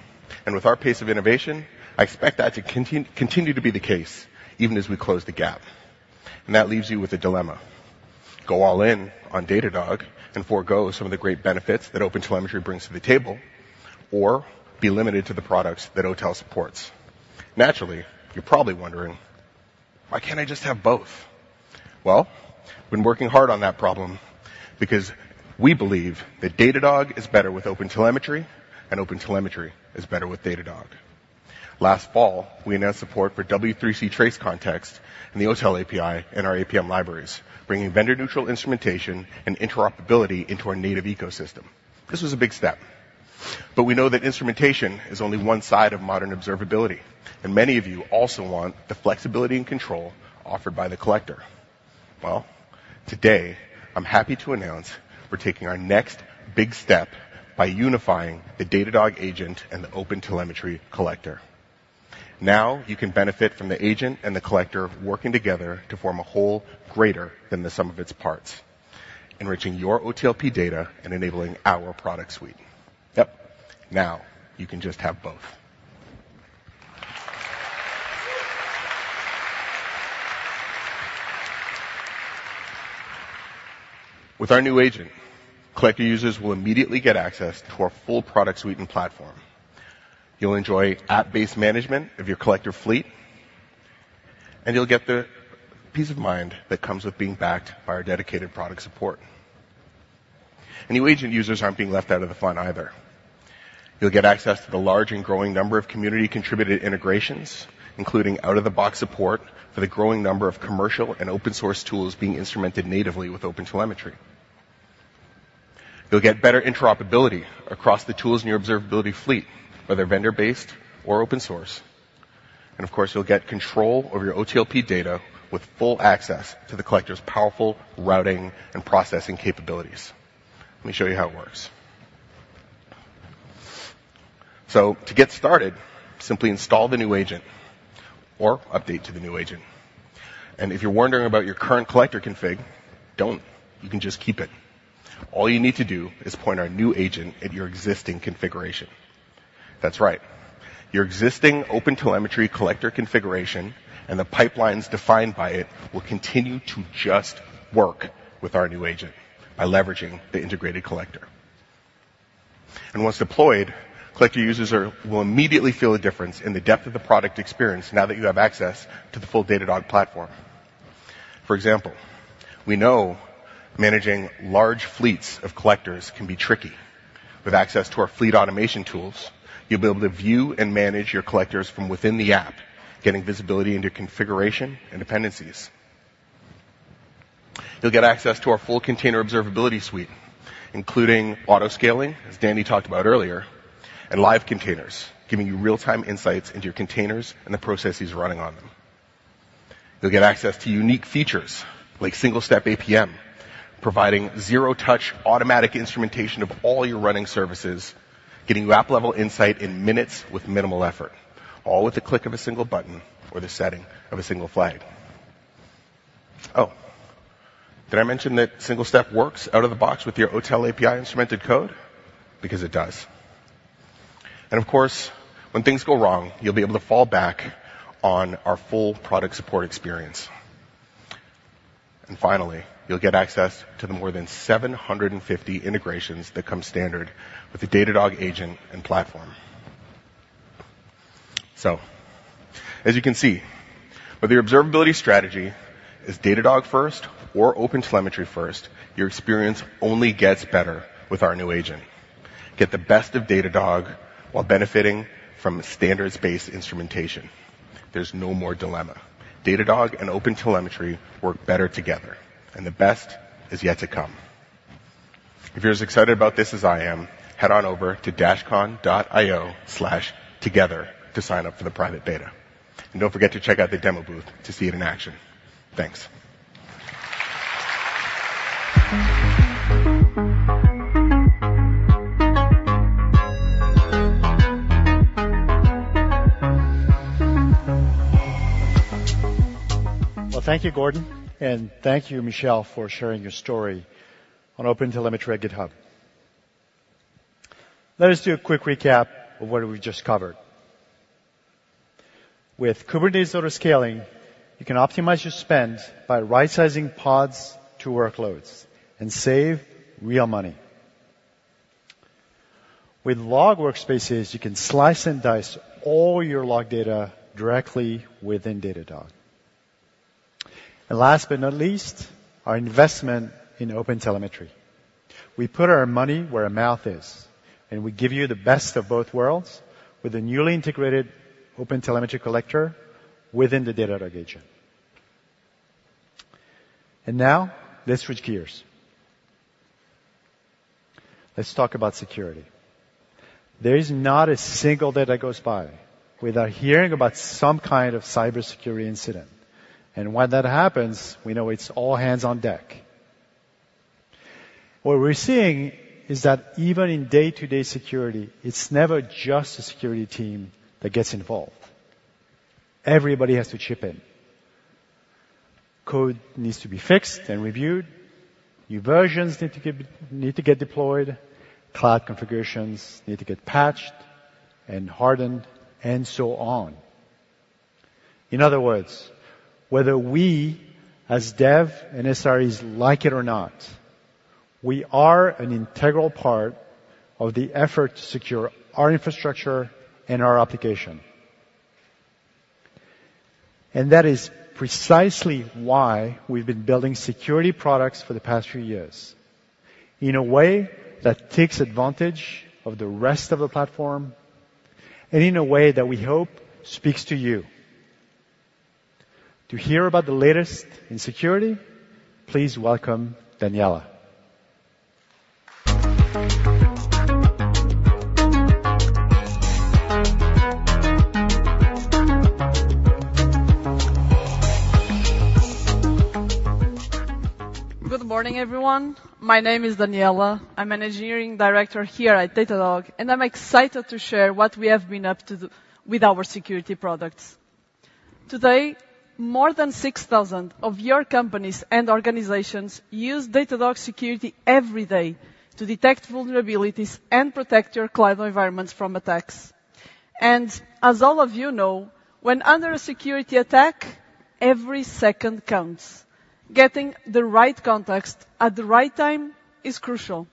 With our pace of innovation, I expect that to continue to be the case even as we close the gap. That leaves you with a dilemma: go all in on Datadog and forgo some of the great benefits that OpenTelemetry brings to the table, or be limited to the products that OTel supports. Naturally, you're probably wondering, "Why can't I just have both?" Well, we've been working hard on that problem because we believe that Datadog is better with OpenTelemetry, and OpenTelemetry is better with Datadog. Last fall, we announced support for W3C Trace Context in the OTel API and our APM libraries, bringing vendor-neutral instrumentation and interoperability into our native ecosystem. This was a big step, but we know that instrumentation is only one side of modern observability, and many of you also want the flexibility and control offered by the collector. Well, today, I'm happy to announce we're taking our next big step by unifying the Datadog Agent and the OpenTelemetry Collector. Now, you can benefit from the agent and the collector working together to form a whole greater than the sum of its parts, enriching your OTLP data and enabling our product suite. Yep, now you can just have both. With our new agent, collector users will immediately get access to our full product suite and platform. You'll enjoy app-based management of your collector fleet, and you'll get the peace of mind that comes with being backed by our dedicated product support. New agent users aren't being left out of the fun either. You'll get access to the large and growing number of community-contributed integrations, including out-of-the-box support for the growing number of commercial and open source tools being instrumented natively with OpenTelemetry. You'll get better interoperability across the tools in your observability fleet, whether vendor-based or open source. Of course, you'll get control over your OTLP data with full access to the collector's powerful routing and processing capabilities. Let me show you how it works. To get started, simply install the new agent or update to the new agent. If you're wondering about your current collector config, don't, you can just keep it. All you need to do is point our new agent at your existing configuration. That's right. Your existing OpenTelemetry collector configuration and the pipelines defined by it will continue to just work with our new agent by leveraging the integrated collector. Once deployed, collector users will immediately feel a difference in the depth of the product experience now that you have access to the full Datadog platform. For example, we know managing large fleets of collectors can be tricky. With access to our fleet automation tools, you'll be able to view and manage your collectors from within the app, getting visibility into configuration and dependencies. You'll get access to our full container observability suite, including autoscaling, as Danny talked about earlier, and live containers, giving you real-time insights into your containers and the processes running on them. You'll get access to unique features like Single Step APM, providing zero-touch, automatic instrumentation of all your running services, getting you app-level insight in minutes with minimal effort, all with the click of a single button or the setting of a single flag. Oh, did I mention that Single Step works out of the box with your OTel API instrumented code? Because it does. And of course, when things go wrong, you'll be able to fall back on our full product support experience. And finally, you'll get access to the more than 750 integrations that come standard with the Datadog Agent and platform. So as you can see, whether your observability strategy is Datadog first or OpenTelemetry first, your experience only gets better with our new agent. Get the best of Datadog while benefiting from standards-based instrumentation. There's no more dilemma. Datadog and OpenTelemetry work better together, and the best is yet to come. If you're as excited about this as I am, head on over to dashcon.io/together to sign up for the private beta. And don't forget to check out the demo booth to see it in action. Thanks. Well, thank you, Gordon, and thank you, Michelle, for sharing your story on OpenTelemetry at GitHub. Let us do a quick recap of what we just covered. With Kubernetes Autoscaling, you can optimize your spend by right-sizing pods to workloads and save real money. With Log Workspaces, you can slice and dice all your log data directly within Datadog. Last but not least, our investment in OpenTelemetry. We put our money where our mouth is, and we give you the best of both worlds with a newly integrated OpenTelemetry Collector within the Datadog Agent. Now let's switch gears. Let's talk about security. There is not a single day that goes by without hearing about some kind of cybersecurity incident, and when that happens, we know it's all hands on deck. What we're seeing is that even in day-to-day security, it's never just a security team that gets involved. Everybody has to chip in. Code needs to be fixed and reviewed, new versions need to get deployed, cloud configurations need to get patched and hardened, and so on. In other words, whether we as dev and SREs like it or not, we are an integral part of the effort to secure our infrastructure and our application. And that is precisely why we've been building security products for the past few years in a way that takes advantage of the rest of the platform and in a way that we hope speaks to you. To hear about the latest in security, please welcome Daniela. Good morning, everyone. My name is Daniela. I'm an engineering director here at Datadog, and I'm excited to share what we have been up to with our security products. Today, more than 6,000 of your companies and organizations use Datadog Security every day to detect vulnerabilities and protect your cloud environments from attacks. As all of you know, when under a security attack, every second counts. Getting the right context at the right time is crucial.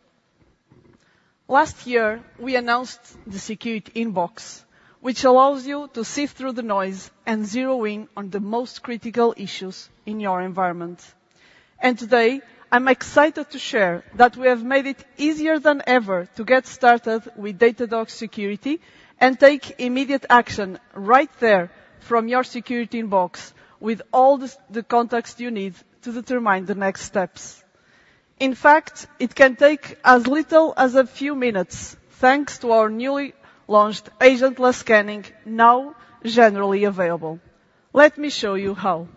Last year, we announced the Security Inbox, which allows you to sift through the noise and zero in on the most critical issues in your environment. Today, I'm excited to share that we have made it easier than ever to get started with Datadog Security and take immediate action right there from your Security Inbox with all the context you need to determine the next steps. In fact, it can take as little as a few minutes, thanks to our newly launched Agentless Scanning, now generally available. Let me show you how.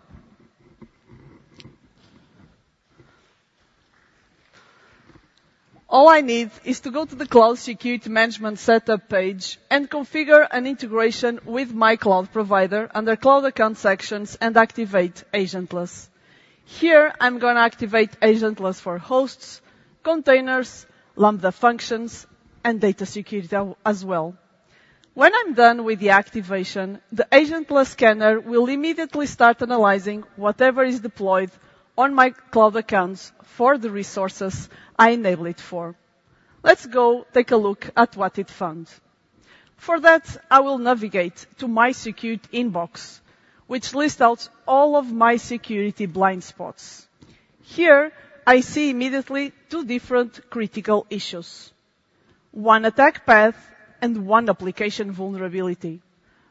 All I need is to go to the Cloud Security Management setup page and configure an integration with my cloud provider under Cloud Accounts section and activate Agentless. Here, I'm gonna activate Agentless for hosts, containers, Lambda functions, and Data Security as well. When I'm done with the activation, the Agentless scanner will immediately start analyzing whatever is deployed on my cloud accounts for the resources I enable it for. Let's go take a look at what it found. For that, I will navigate to my Security Inbox, which lists out all of my security blind spots. Here, I see immediately two different critical issues: one attack path and one application vulnerability.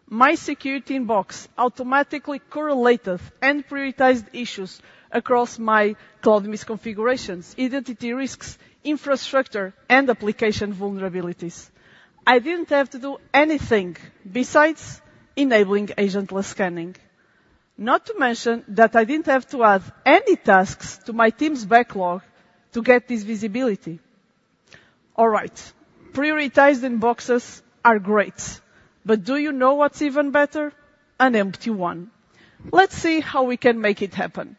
My Security Inbox automatically correlated and prioritized issues across my cloud misconfigurations, identity risks, infrastructure, and application vulnerabilities. I didn't have to do anything besides enabling Agentless Scanning. Not to mention, that I didn't have to add any tasks to my team's backlog to get this visibility. All right. Prioritized inboxes are great, but do you know what's even better? An empty one. Let's see how we can make it happen.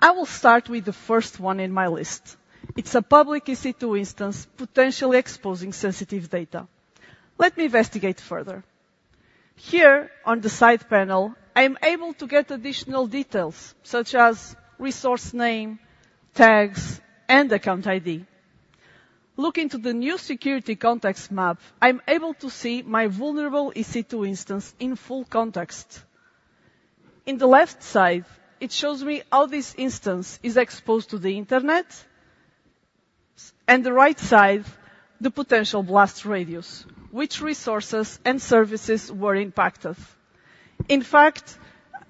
I will start with the first one in my list. It's a public EC2 instance, potentially exposing sensitive data. Let me investigate further. Here, on the side panel, I am able to get additional details, such as resource name, tags, and account ID. Looking to the new Security Context Map, I'm able to see my vulnerable EC2 instance in full context. In the left side, it shows me how this instance is exposed to the internet, and the right side, the potential blast radius, which resources and services were impacted. In fact,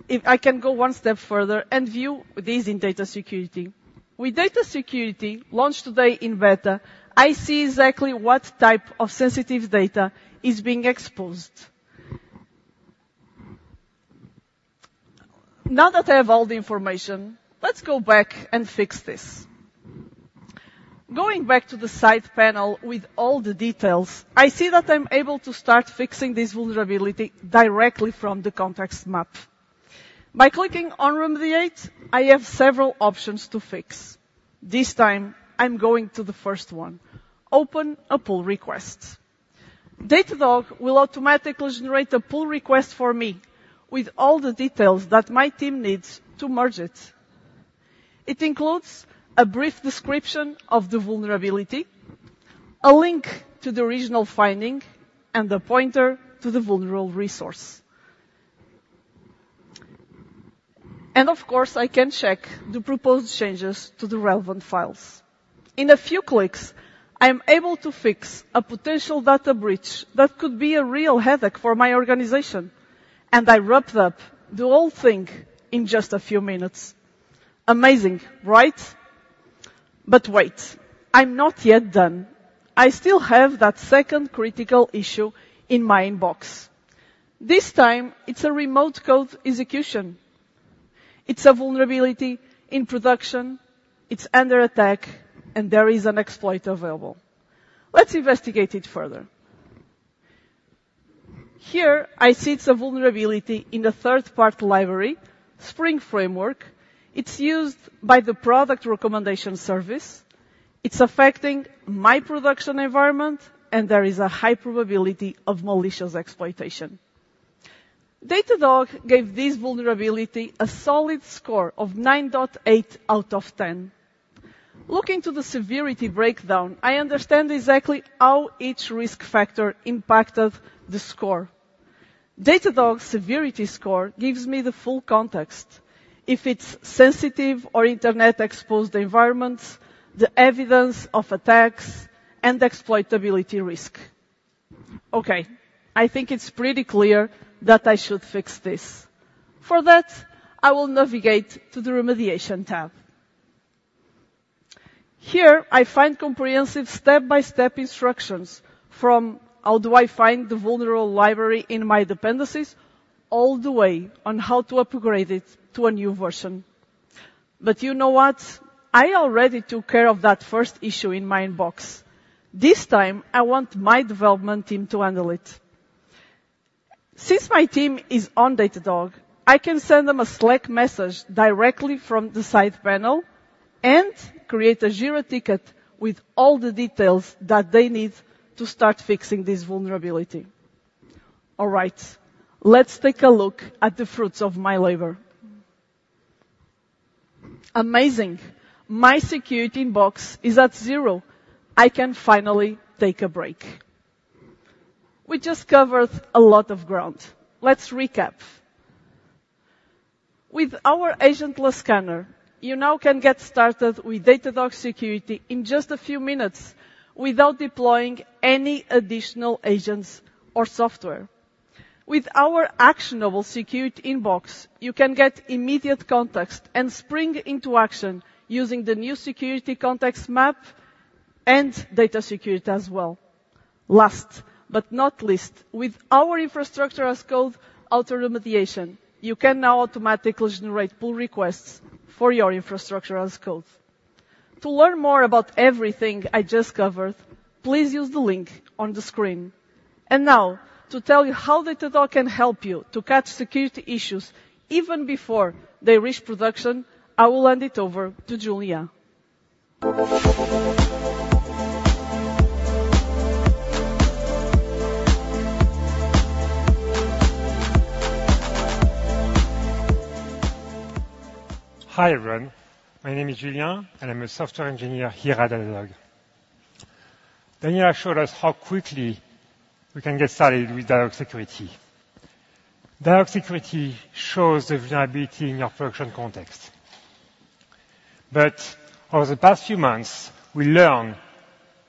if I can go one step further and view these in Datadog Security. With Datadog Security, launched today in beta, I see exactly what type of sensitive data is being exposed. Now that I have all the information, let's go back and fix this. Going back to the side panel with all the details, I see that I'm able to start fixing this vulnerability directly from the context map. By clicking on Remediate, I have several options to fix. This time, I'm going to the first one, Open a pull request. Datadog will automatically generate a pull request for me with all the details that my team needs to merge it. It includes a brief description of the vulnerability, a link to the original finding, and a pointer to the vulnerable resource. Of course, I can check the proposed changes to the relevant files. In a few clicks, I am able to fix a potential data breach that could be a real headache for my organization, and I wrapped up the whole thing in just a few minutes. Amazing, right? But wait, I'm not yet done. I still have that second critical issue in my inbox. This time, it's a remote code execution. It's a vulnerability in production, it's under attack, and there is an exploit available. Let's investigate it further. Here, I see it's a vulnerability in the third-party library, Spring Framework. It's used by the product recommendation service. It's affecting my production environment, and there is a high probability of malicious exploitation. Datadog gave this vulnerability a solid score of 9.8 out of 10. Looking to the severity breakdown, I understand exactly how each risk factor impacted the score. Datadog severity score gives me the full context: if it's sensitive or internet-exposed environments, the evidence of attacks, and exploitability risk. Okay, I think it's pretty clear that I should fix this. For that, I will navigate to the Remediation tab. Here, I find comprehensive step-by-step instructions from, "How do I find the vulnerable library in my dependencies?" All the way on how to upgrade it to a new version. But you know what? I already took care of that first issue in my inbox. This time, I want my development team to handle it. Since my team is on Datadog, I can send them a Slack message directly from the side panel and create a Jira ticket with all the details that they need to start fixing this vulnerability. All right, let's take a look at the fruits of my labor... Amazing! My Security Inbox is at zero. I can finally take a break. We just covered a lot of ground. Let's recap. With our agentless scanner, you now can get started with Datadog Security in just a few minutes without deploying any additional agents or software. With our actionable Security Inbox, you can get immediate context and spring into action using the new Security Context Map and Data Security as well. Last but not least, with our Infrastructure as Code auto-remediation, you can now automatically generate pull requests for your Infrastructure as Code. To learn more about everything I just covered, please use the link on the screen. Now, to tell you how Datadog can help you to catch security issues even before they reach production, I will hand it over to Julien. Hi, everyone. My name is Julien, and I'm a software engineer here at Datadog. Daniela showed us how quickly we can get started with Datadog Security. Datadog Security shows the vulnerability in your production context. But over the past few months, we learn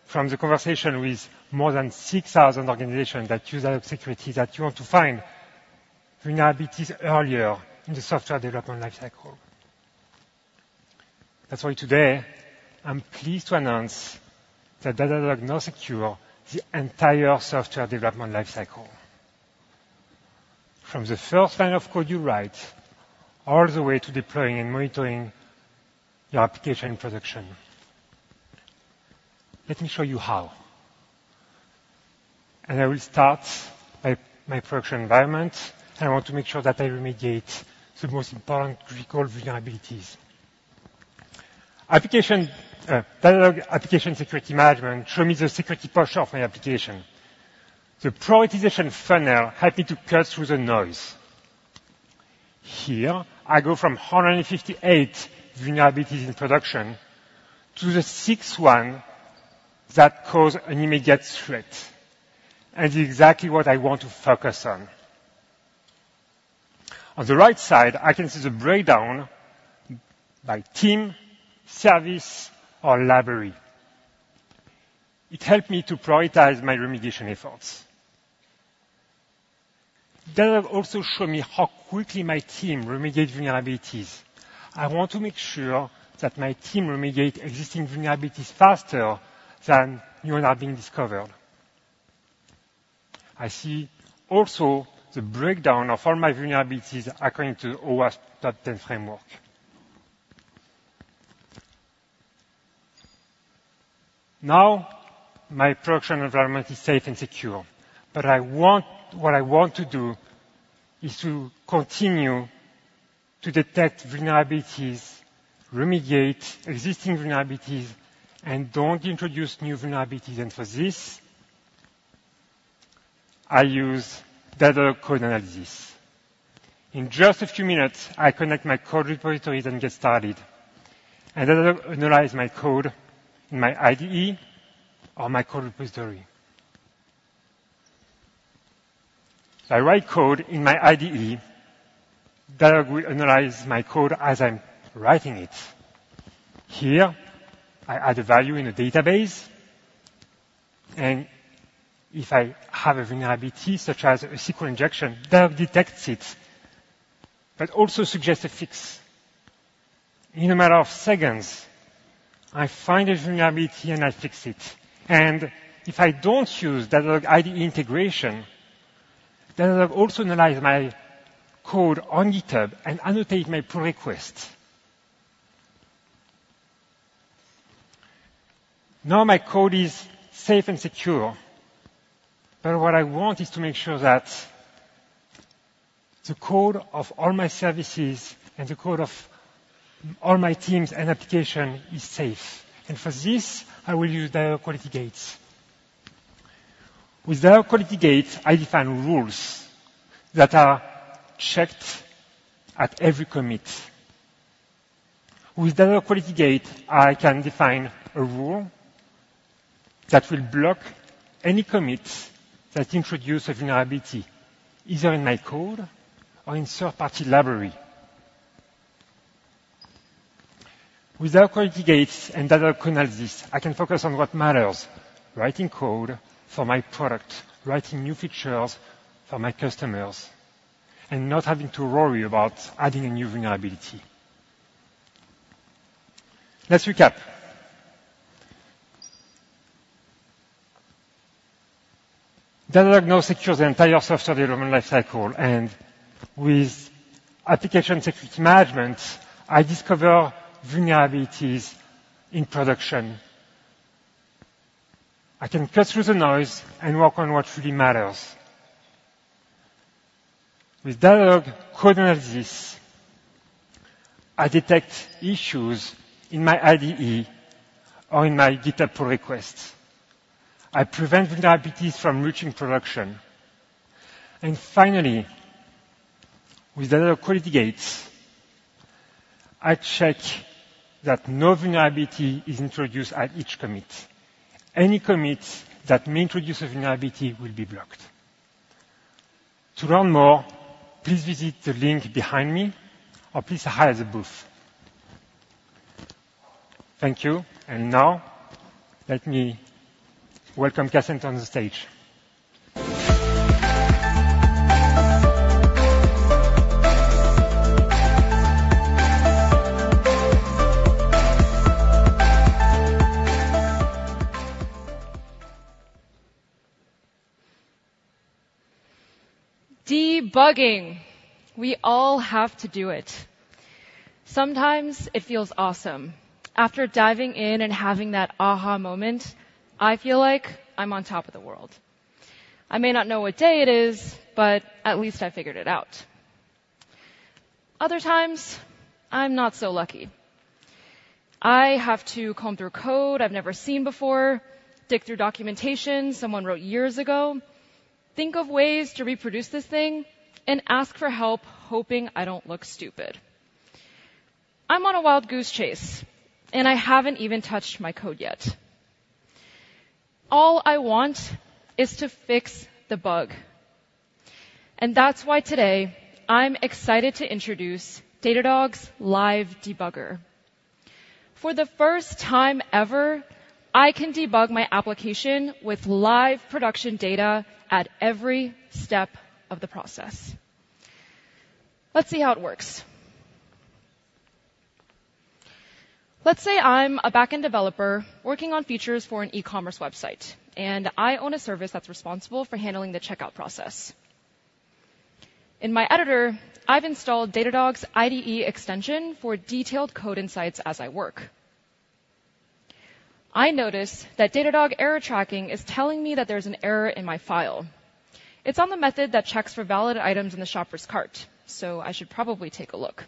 from the conversation with more than 6,000 organizations that use Datadog Security, that you want to find vulnerabilities earlier in the software development lifecycle. That's why today, I'm pleased to announce that Datadog now secure the entire software development lifecycle. From the first line of code you write, all the way to deploying and monitoring your application in production. Let me show you how. I will start my, my production environment. I want to make sure that I remediate the most important critical vulnerabilities. Application, Datadog Application Security Management show me the security posture of my application. The prioritization funnel helps me to cut through the noise. Here, I go from 158 vulnerabilities in production to the sixth one that causes an immediate threat, and exactly what I want to focus on. On the right side, I can see the breakdown by team, service, or library. It helps me to prioritize my remediation efforts. Datadog also shows me how quickly my team remediates vulnerabilities. I want to make sure that my team remediates existing vulnerabilities faster than new ones are being discovered. I see also the breakdown of all my vulnerabilities according to the OWASP Top Ten framework. Now, my production environment is safe and secure, but I want, what I want to do is to continue to detect vulnerabilities, remediate existing vulnerabilities, and don't introduce new vulnerabilities, and for this, I use Datadog Code Analysis. In just a few minutes, I connect my code repositories and get started, and Datadog analyze my code in my IDE or my code repository. I write code in my IDE, Datadog will analyze my code as I'm writing it. Here, I add a value in a database, and if I have a vulnerability, such as a SQL injection, Datadog detects it, but also suggests a fix. In a matter of seconds, I find a vulnerability, and I fix it. And if I don't use Datadog IDE integration, Datadog also analyze my code on GitHub and annotate my pull requests. Now, my code is safe and secure, but what I want is to make sure that the code of all my services and the code of all my teams and application is safe, and for this, I will use Datadog Quality Gates. With Datadog Quality Gates, I define rules that are checked at every commit. With Datadog Quality Gate, I can define a rule that will block any commits that introduce a vulnerability, either in my code or in third-party library. With Datadog Quality Gates and Datadog Code Analysis, I can focus on what matters: writing code for my product, writing new features for my customers, and not having to worry about adding a new vulnerability. Let's recap. Datadog now secures the entire software development lifecycle, and with Application Security Management, I discover vulnerabilities in production. I can cut through the noise and work on what really matters. With Datadog Code Analysis, I detect issues in my IDE or in my GitHub pull requests. I prevent vulnerabilities from reaching production. And finally, with the Datadog Quality Gates, I check that no vulnerability is introduced at each commit. Any commit that may introduce a vulnerability will be blocked. To learn more, please visit the link behind me, or please visit the booth. Thank you. Now, let me welcome Kassen Qian on the stage. Debugging! We all have to do it. Sometimes it feels awesome. After diving in and having that aha moment, I feel like I'm on top of the world. I may not know what day it is, but at least I figured it out. Other times, I'm not so lucky. I have to comb through code I've never seen before, dig through documentation someone wrote years ago, think of ways to reproduce this thing, and ask for help, hoping I don't look stupid. I'm on a wild goose chase, and I haven't even touched my code yet. All I want is to fix the bug, and that's why today I'm excited to introduce Datadog's Live Debugger. For the first time ever, I can debug my application with live production data at every step of the process. Let's see how it works. Let's say I'm a backend developer working on features for an e-commerce website, and I own a service that's responsible for handling the checkout process. In my editor, I've installed Datadog's IDE extension for detailed code insights as I work. I notice that Datadog Error Tracking is telling me that there's an error in my file. It's on the method that checks for valid items in the shopper's cart, so I should probably take a look.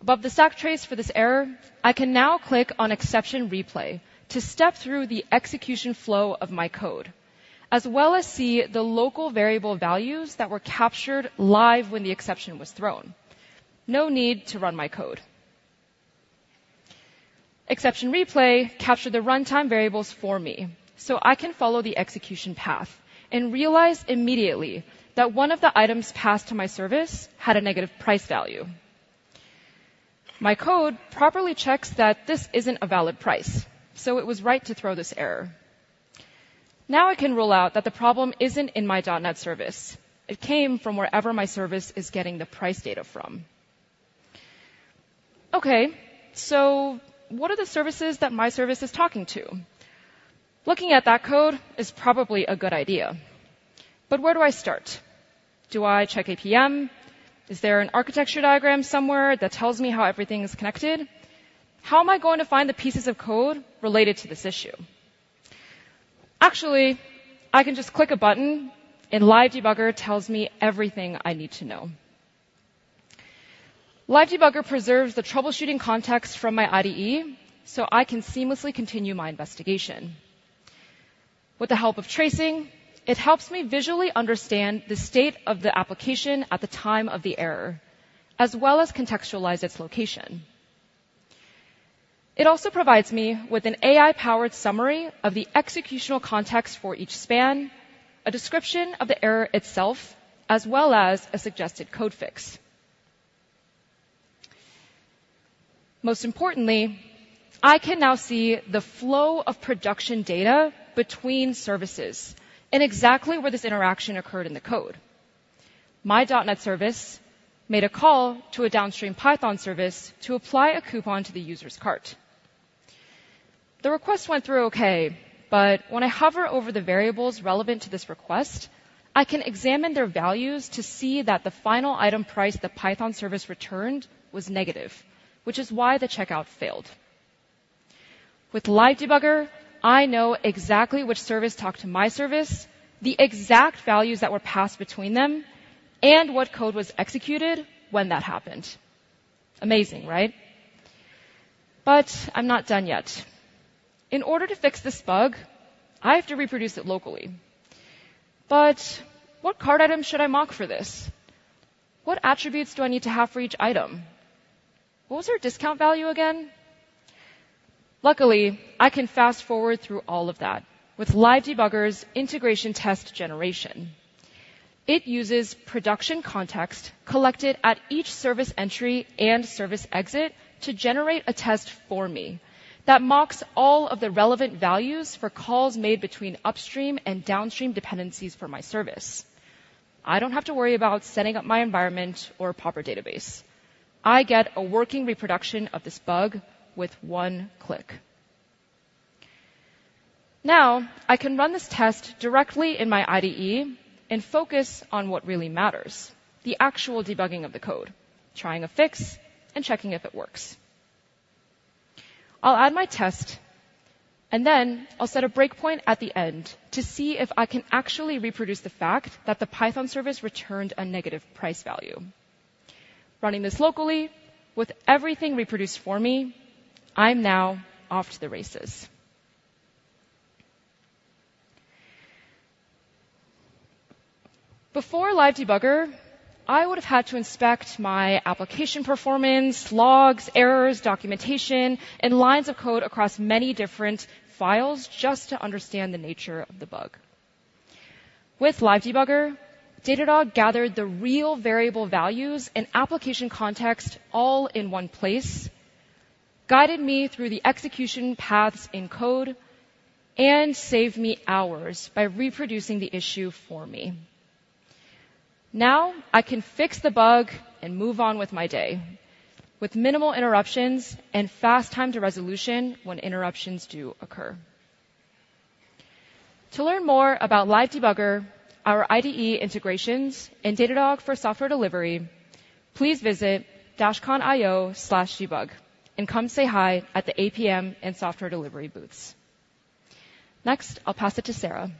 Above the stack trace for this error, I can now click on Exception Replay to step through the execution flow of my code, as well as see the local variable values that were captured live when the exception was thrown. No need to run my code. Exception Replay captured the runtime variables for me, so I can follow the execution path and realize immediately that one of the items passed to my service had a negative price value. My code properly checks that this isn't a valid price, so it was right to throw this error. Now, I can rule out that the problem isn't in my .NET service. It came from wherever my service is getting the price data from. Okay, so what are the services that my service is talking to? Looking at that code is probably a good idea, but where do I start? Do I check APM? Is there an architecture diagram somewhere that tells me how everything is connected? How am I going to find the pieces of code related to this issue? Actually, I can just click a button, and Live Debugger tells me everything I need to know. Live Debugger preserves the troubleshooting context from my IDE, so I can seamlessly continue my investigation. With the help of tracing, it helps me visually understand the state of the application at the time of the error, as well as contextualize its location. It also provides me with an AI-powered summary of the executional context for each span, a description of the error itself, as well as a suggested code fix. Most importantly, I can now see the flow of production data between services and exactly where this interaction occurred in the code. My .NET service made a call to a downstream Python service to apply a coupon to the user's cart. The request went through okay, but when I hover over the variables relevant to this request, I can examine their values to see that the final item price the Python service returned was negative, which is why the checkout failed. With Live Debugger, I know exactly which service talked to my service, the exact values that were passed between them, and what code was executed when that happened. Amazing, right? But I'm not done yet. In order to fix this bug, I have to reproduce it locally. But what cart item should I mock for this? What attributes do I need to have for each item? What was our discount value again? Luckily, I can fast-forward through all of that with Live Debugger's integration test generation. It uses production context collected at each service entry and service exit to generate a test for me that mocks all of the relevant values for calls made between upstream and downstream dependencies for my service. I don't have to worry about setting up my environment or proper database. I get a working reproduction of this bug with one click. Now, I can run this test directly in my IDE and focus on what really matters: the actual debugging of the code, trying a fix, and checking if it works. I'll add my test, and then I'll set a breakpoint at the end to see if I can actually reproduce the fact that the Python service returned a negative price value. Running this locally with everything reproduced for me, I'm now off to the races. Before Live Debugger, I would have had to inspect my application performance, logs, errors, documentation, and lines of code across many different files just to understand the nature of the bug. With Live Debugger, Datadog gathered the real variable values and application context all in one place, guided me through the execution paths in code, and saved me hours by reproducing the issue for me. Now, I can fix the bug and move on with my day, with minimal interruptions and fast time to resolution when interruptions do occur. To learn more about Live Debugger, our IDE integrations, and Datadog for software delivery, please visit dashcon.io/debug, and come say hi at the APM and software delivery booths. Next, I'll pass it to Sara.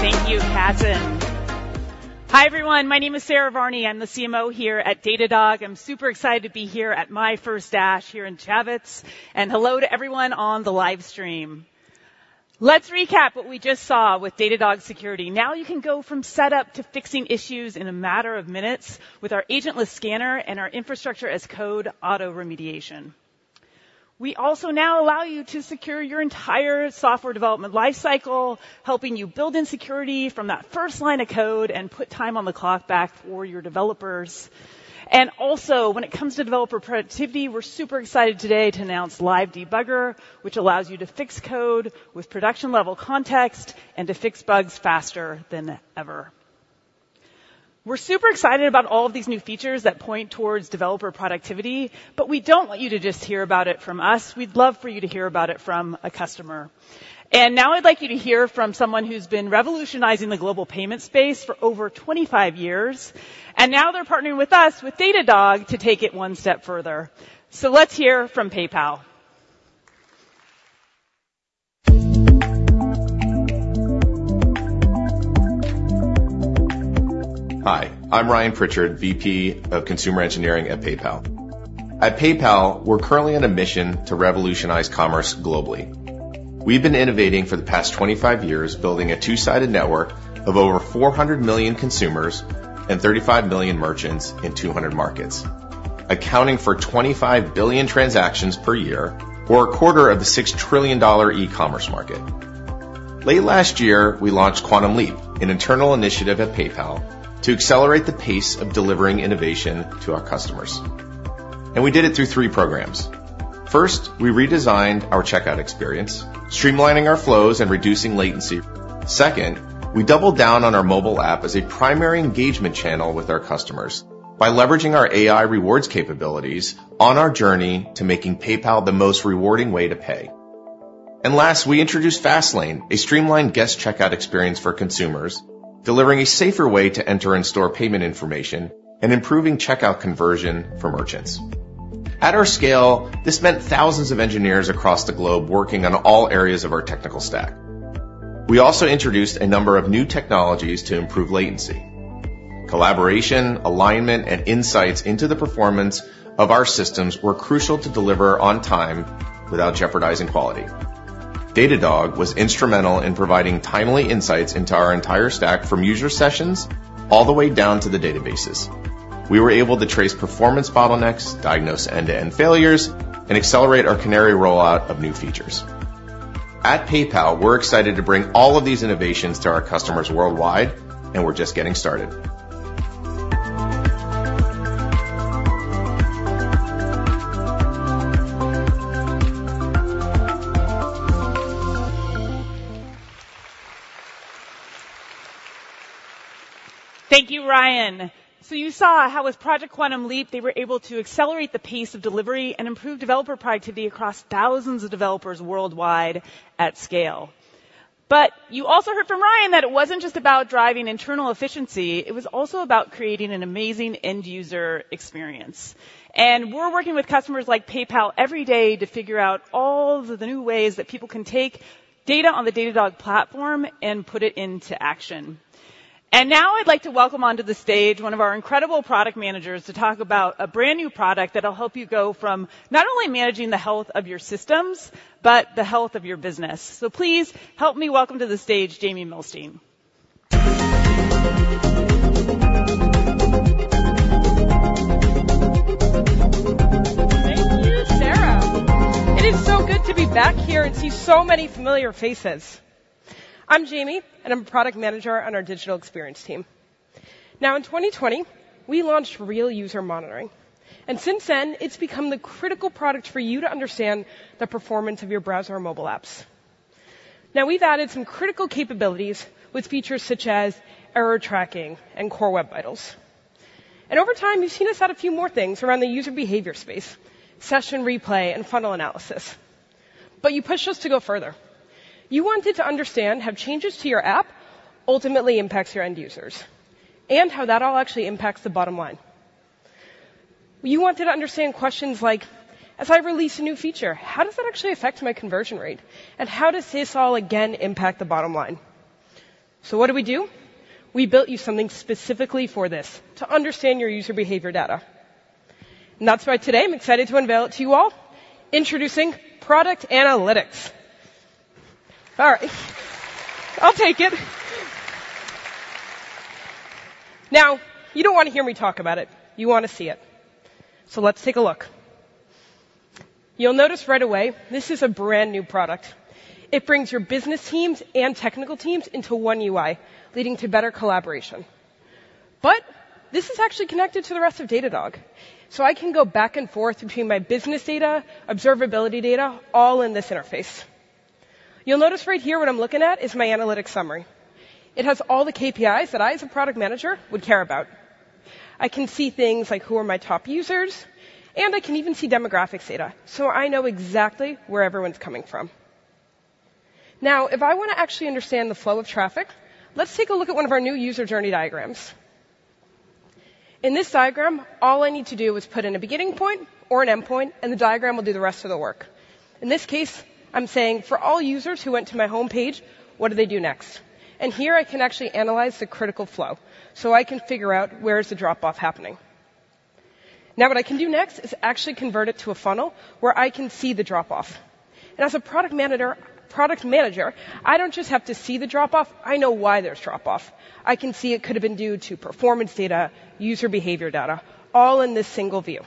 Thank you, Kassen. Hi, everyone. My name is Sara Varni. I'm the CMO here at Datadog. I'm super excited to be here at my first DASH here in Javits, and hello to everyone on the live stream. Let's recap what we just saw with Datadog Security. Now you can go from setup to fixing issues in a matter of minutes with our agentless scanner and our Infrastructure as Code auto-remediation. We also now allow you to secure your entire software development lifecycle, helping you build in security from that first line of code and put time on the clock back for your developers. And also, when it comes to developer productivity, we're super excited today to announce Live Debugger, which allows you to fix code with production-level context and to fix bugs faster than ever. We're super excited about all of these new features that point towards developer productivity, but we don't want you to just hear about it from us. We'd love for you to hear about it from a customer. And now I'd like you to hear from someone who's been revolutionizing the global payment space for over 25 years, and now they're partnering with us, with Datadog, to take it one step further. So let's hear from PayPal. Hi, I'm Ryan Pritchard, VP of Consumer Engineering at PayPal. At PayPal, we're currently on a mission to revolutionize commerce globally. We've been innovating for the past 25 years, building a two-sided network of over 400 million consumers and 35 million merchants in 200 markets, accounting for 25 billion transactions per year or a quarter of the $6 trillion e-commerce market. Late last year, we launched Quantum Leap, an internal initiative at PayPal, to accelerate the pace of delivering innovation to our customers. We did it through three programs. First, we redesigned our checkout experience, streamlining our flows and reducing latency. Second, we doubled down on our mobile app as a primary engagement channel with our customers by leveraging our AI rewards capabilities on our journey to making PayPal the most rewarding way to pay. Last, we introduced Fastlane, a streamlined guest checkout experience for consumers, delivering a safer way to enter and store payment information and improving checkout conversion for merchants. At our scale, this meant thousands of engineers across the globe working on all areas of our technical stack. We also introduced a number of new technologies to improve latency. Collaboration, alignment, and insights into the performance of our systems were crucial to deliver on time without jeopardizing quality. Datadog was instrumental in providing timely insights into our entire stack, from user sessions all the way down to the databases. We were able to trace performance bottlenecks, diagnose end-to-end failures, and accelerate our canary rollout of new features. At PayPal, we're excited to bring all of these innovations to our customers worldwide, and we're just getting started. Thank you, Ryan. So you saw how with Project Quantum Leap, they were able to accelerate the pace of delivery and improve developer productivity across thousands of developers worldwide at scale. But you also heard from Ryan that it wasn't just about driving internal efficiency, it was also about creating an amazing end-user experience. And we're working with customers like PayPal every day to figure out all of the new ways that people can take data on the Datadog platform and put it into action. And now I'd like to welcome onto the stage one of our incredible product managers to talk about a brand-new product that'll help you go from not only managing the health of your systems, but the health of your business. So please, help me welcome to the stage, Jamie Milstein. Thank you, Sara. It is so good to be back here and see so many familiar faces. I'm Jamie, and I'm a product manager on our Digital Experience team. Now, in 2020, we launched Real User Monitoring, and since then, it's become the critical product for you to understand the performance of your browser or mobile apps. Now, we've added some critical capabilities with features such as Error Tracking and Core Web Vitals. And over time, you've seen us add a few more things around the user behavior space, Session Replay, and Funnel Analysis. But you pushed us to go further. You wanted to understand how changes to your app ultimately impacts your end users, and how that all actually impacts the bottom line. You wanted to understand questions like, "If I release a new feature, how does that actually affect my conversion rate? And how does this all again impact the bottom line?" So what do we do? We built you something specifically for this, to understand your user behavior data. And that's why today I'm excited to unveil it to you all. Introducing Product Analytics. All right, I'll take it. Now, you don't wanna hear me talk about it, you wanna see it. So let's take a look. You'll notice right away, this is a brand-new product. It brings your business teams and technical teams into one UI, leading to better collaboration. But this is actually connected to the rest of Datadog, so I can go back and forth between my business data, observability data, all in this interface. You'll notice right here what I'm looking at is my analytics summary. It has all the KPIs that I, as a product manager, would care about. I can see things like who are my top users, and I can even see demographics data, so I know exactly where everyone's coming from. Now, if I wanna actually understand the flow of traffic, let's take a look at one of our new User Journey Diagrams. In this diagram, all I need to do is put in a beginning point or an endpoint, and the diagram will do the rest of the work. In this case, I'm saying, for all users who went to my homepage, what do they do next? And here I can actually analyze the critical flow, so I can figure out where is the drop-off happening. Now, what I can do next is actually convert it to a funnel, where I can see the drop-off. As a product manager, product manager, I don't just have to see the drop-off, I know why there's drop-off. I can see it could have been due to performance data, user behavior data, all in this single view.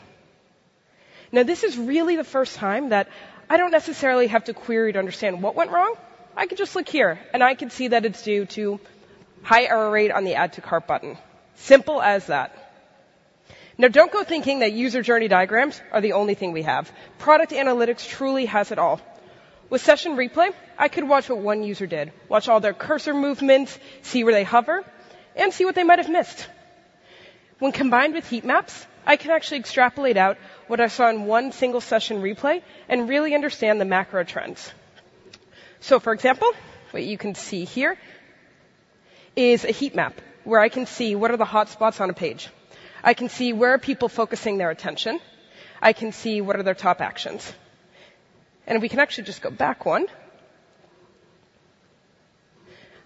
Now, this is really the first time that I don't necessarily have to query to understand what went wrong. I can just look here, and I can see that it's due to high error rate on the Add to Cart button. Simple as that. Now, don't go thinking that user journey diagrams are the only thing we have. Product Analytics truly has it all. With Session Replay, I could watch what one user did, watch all their cursor movements, see where they hover, and see what they might have missed. When combined with Heatmaps, I can actually extrapolate out what I saw in one single Session Replay and really understand the macro trends. So for example, what you can see here is a heat map where I can see what are the hot spots on a page. I can see where are people focusing their attention. I can see what are their top actions. And we can actually just go back one.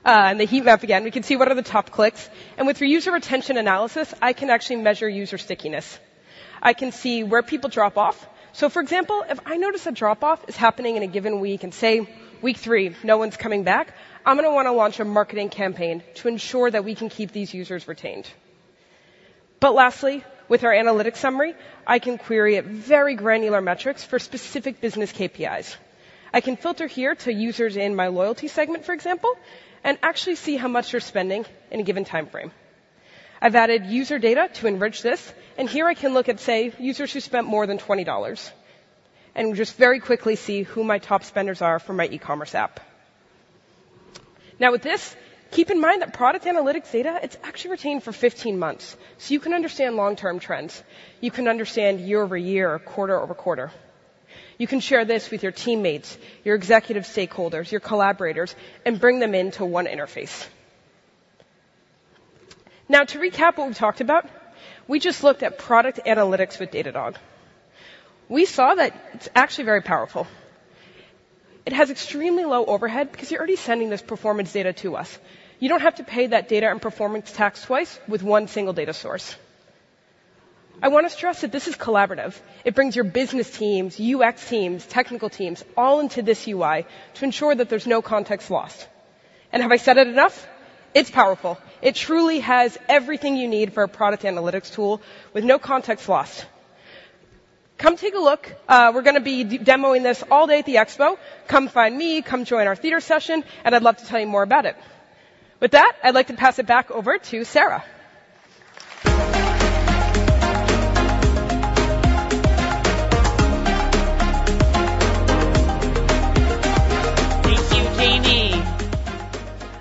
In the heat map again, we can see what are the top clicks. And with User Retention Analysis, I can actually measure user stickiness. I can see where people drop off. So for example, if I notice a drop-off is happening in a given week, in, say, week three, no one's coming back, I'm gonna wanna launch a marketing campaign to ensure that we can keep these users retained. But lastly, with our analytics summary, I can query at very granular metrics for specific business KPIs. I can filter here to users in my loyalty segment, for example, and actually see how much they're spending in a given timeframe. I've added user data to enrich this, and here I can look at, say, users who spent more than $20, and just very quickly see who my top spenders are for my e-commerce app. Now, with this, keep in mind that Product Analytics data, it's actually retained for 15 months, so you can understand long-term trends. You can understand year-over-year, quarter-over-quarter. You can share this with your teammates, your executive stakeholders, your collaborators, and bring them into one interface. Now, to recap what we talked about, we just looked at Product Analytics with Datadog. We saw that it's actually very powerful. It has extremely low overhead because you're already sending this performance data to us. You don't have to pay that data and performance tax twice with one single data source. I wanna stress that this is collaborative. It brings your business teams, UX teams, technical teams, all into this UI to ensure that there's no context lost. And have I said it enough? It's powerful. It truly has everything you need for a product analytics tool with no context lost. Come take a look. We're gonna be demoing this all day at the expo. Come find me, come join our theater session, and I'd love to tell you more about it. With that, I'd like to pass it back over to Sara. Thank you, Jamie.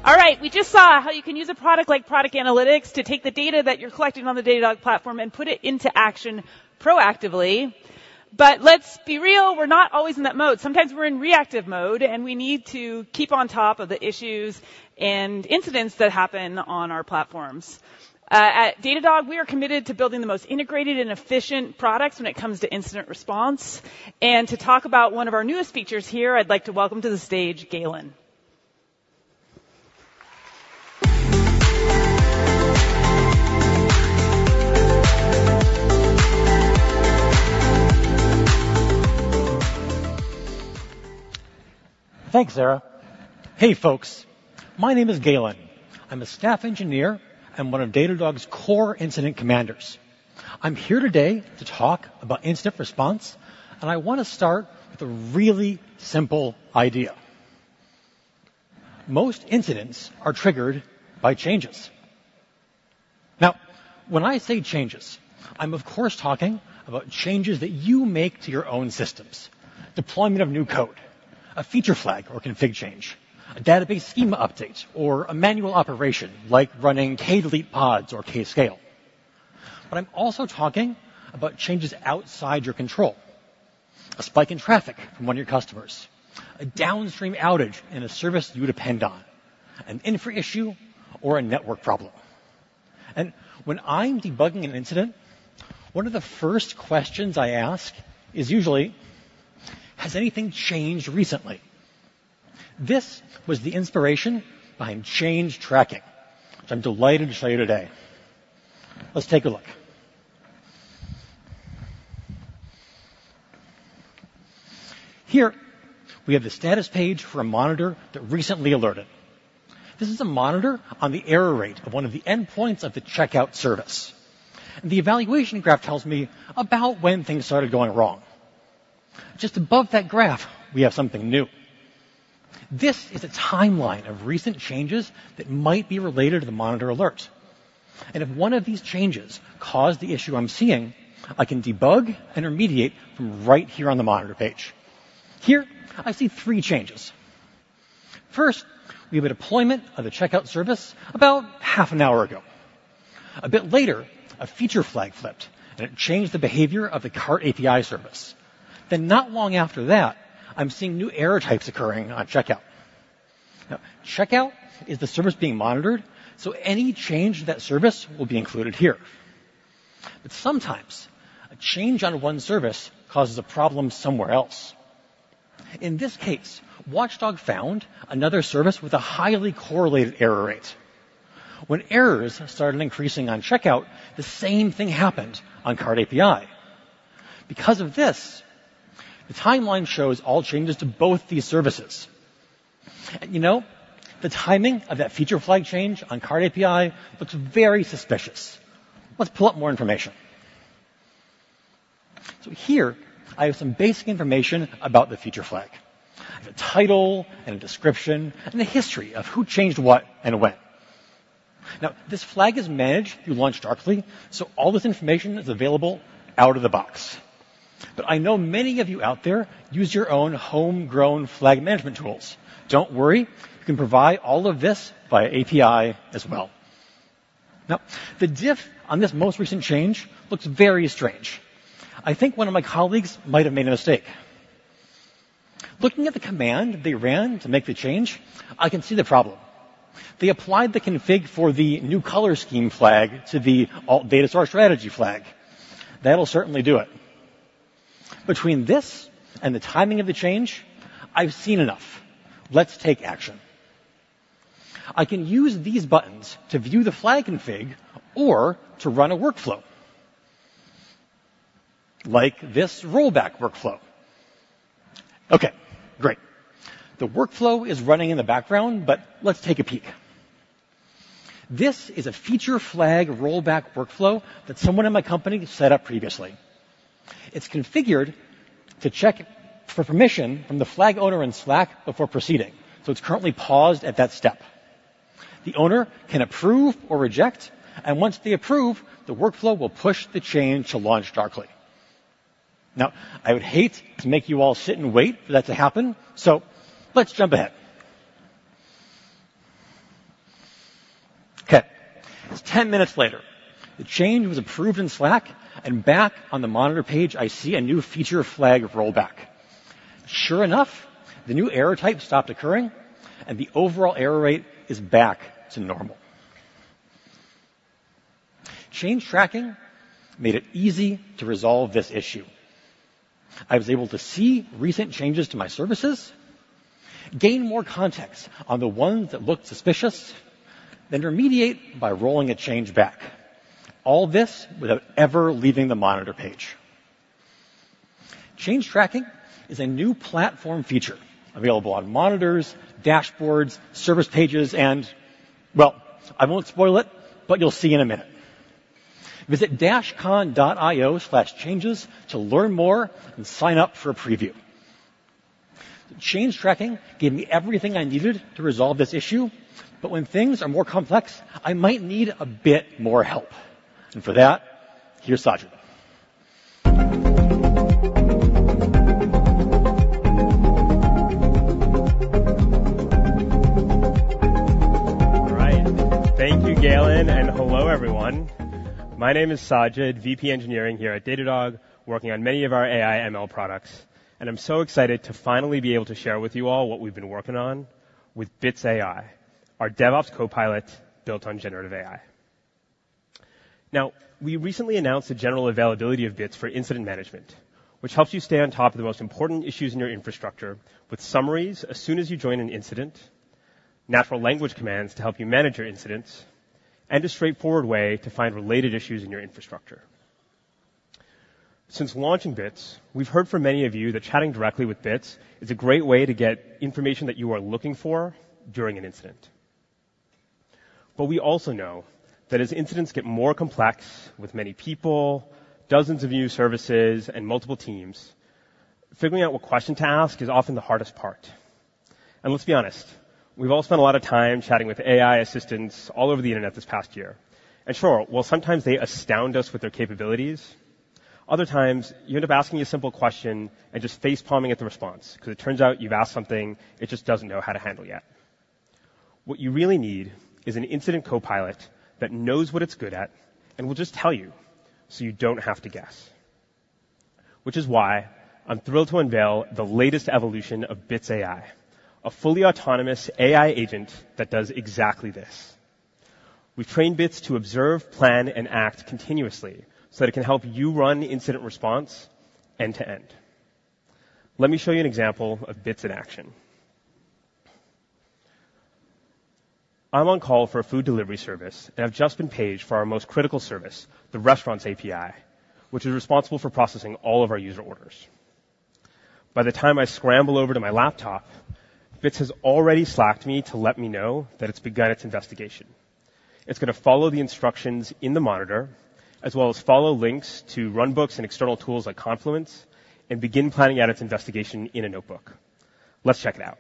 All right, we just saw how you can use a product like Product Analytics to take the data that you're collecting on the Datadog platform and put it into action proactively. But let's be real, we're not always in that mode. Sometimes we're in reactive mode, and we need to keep on top of the issues and incidents that happen on our platforms. At Datadog, we are committed to building the most integrated and efficient products when it comes to incident response, and to talk about one of our newest features here, I'd like to welcome to the stage Galen. Thanks, Sarah. Hey, folks. My name is Galen. I'm a staff engineer and one of Datadog's core incident commanders. I'm here today to talk about incident response, and I wanna start with a really simple idea. Most incidents are triggered by changes. Now, when I say changes, I'm of course talking about changes that you make to your own systems: deployment of new code, a feature flag or config change, a database schema update, or a manual operation like running k delete pods or k scale. But I'm also talking about changes outside your control... A spike in traffic from one of your customers, a downstream outage in a service you depend on, an infra issue or a network problem. And when I'm debugging an incident, one of the first questions I ask is usually: Has anything changed recently? This was the inspiration behind Change Tracking, which I'm delighted to show you today. Let's take a look. Here we have the status page for a monitor that recently alerted. This is a monitor on the error rate of one of the endpoints of the checkout service. The evaluation graph tells me about when things started going wrong. Just above that graph, we have something new. This is a timeline of recent changes that might be related to the monitor alerts, and if one of these changes caused the issue I'm seeing, I can debug and remediate from right here on the monitor page. Here, I see three changes. First, we have a deployment of the checkout service about half an hour ago. A bit later, a feature flag flipped, and it changed the behavior of the Cart API service. Then, not long after that, I'm seeing new error types occurring on checkout. Now, checkout is the service being monitored, so any change to that service will be included here. But sometimes a change on one service causes a problem somewhere else. In this case, Watchdog found another service with a highly correlated error rate. When errors started increasing on checkout, the same thing happened on Cart API. Because of this, the timeline shows all changes to both these services. You know, the timing of that feature flag change on Cart API looks very suspicious. Let's pull up more information. So here I have some basic information about the feature flag, the title and a description, and a history of who changed what and when. Now, this flag is managed through LaunchDarkly, so all this information is available out of the box. But I know many of you out there use your own homegrown flag management tools. Don't worry, you can provide all of this via API as well. Now, the diff on this most recent change looks very strange. I think one of my colleagues might have made a mistake. Looking at the command they ran to make the change, I can see the problem. They applied the config for the new color scheme flag to the alt data source strategy flag. That'll certainly do it. Between this and the timing of the change, I've seen enough. Let's take action. I can use these buttons to view the flag config or to run a workflow, like this rollback workflow. Okay, great. The workflow is running in the background, but let's take a peek. This is a feature flag rollback workflow that someone in my company set up previously. It's configured to check for permission from the flag owner in Slack before proceeding, so it's currently paused at that step. The owner can approve or reject, and once they approve, the workflow will push the change to LaunchDarkly. Now, I would hate to make you all sit and wait for that to happen, so let's jump ahead. Okay, it's 10 minutes later. The change was approved in Slack, and back on the monitor page, I see a new feature flag rollback. Sure enough, the new error type stopped occurring, and the overall error rate is back to normal. Change tracking made it easy to resolve this issue. I was able to see recent changes to my services, gain more context on the ones that looked suspicious, then remediate by rolling a change back. All this without ever leaving the monitor page. Change tracking is a new platform feature available on monitors, dashboards, service pages, and, well, I won't spoil it, but you'll see in a minute. Visit dashcon.io/changes to learn more and sign up for a preview. Change tracking gave me everything I needed to resolve this issue, but when things are more complex, I might need a bit more help. For that, here's Sajid. All right. Thank you, Galen, and hello, everyone. My name is Sajid, VP Engineering here at Datadog, working on many of our AI ML products, and I'm so excited to finally be able to share with you all what we've been working on with Bits AI, our DevOps copilot, built on generative AI. Now, we recently announced the general availability of Bits for Incident Management, which helps you stay on top of the most important issues in your infrastructure with summaries as soon as you join an incident, natural language commands to help you manage your incidents, and a straightforward way to find related issues in your infrastructure. Since launching Bits, we've heard from many of you that chatting directly with Bits is a great way to get information that you are looking for during an incident. We also know that as incidents get more complex with many people, dozens of new services, and multiple teams, figuring out what question to ask is often the hardest part. Let's be honest, we've all spent a lot of time chatting with AI assistants all over the internet this past year. Sure, while sometimes they astound us with their capabilities, other times you end up asking a simple question and just facepalming at the response because it turns out you've asked something it just doesn't know how to handle yet. What you really need is an incident copilot that knows what it's good at and will just tell you, so you don't have to guess. Which is why I'm thrilled to unveil the latest evolution of Bits AI, a fully autonomous AI agent that does exactly this. We've trained Bits to observe, plan, and act continuously so that it can help you run incident response end to end. Let me show you an example of Bits in action. I'm on call for a food delivery service, and I've just been paged for our most critical service, the Restaurants API, which is responsible for processing all of our user orders. By the time I scramble over to my laptop, Bits has already Slack'd me to let me know that it's begun its investigation. It's going to follow the instructions in the monitor, as well as follow links to runbooks and external tools like Confluence and begin planning out its investigation in a notebook. Let's check it out.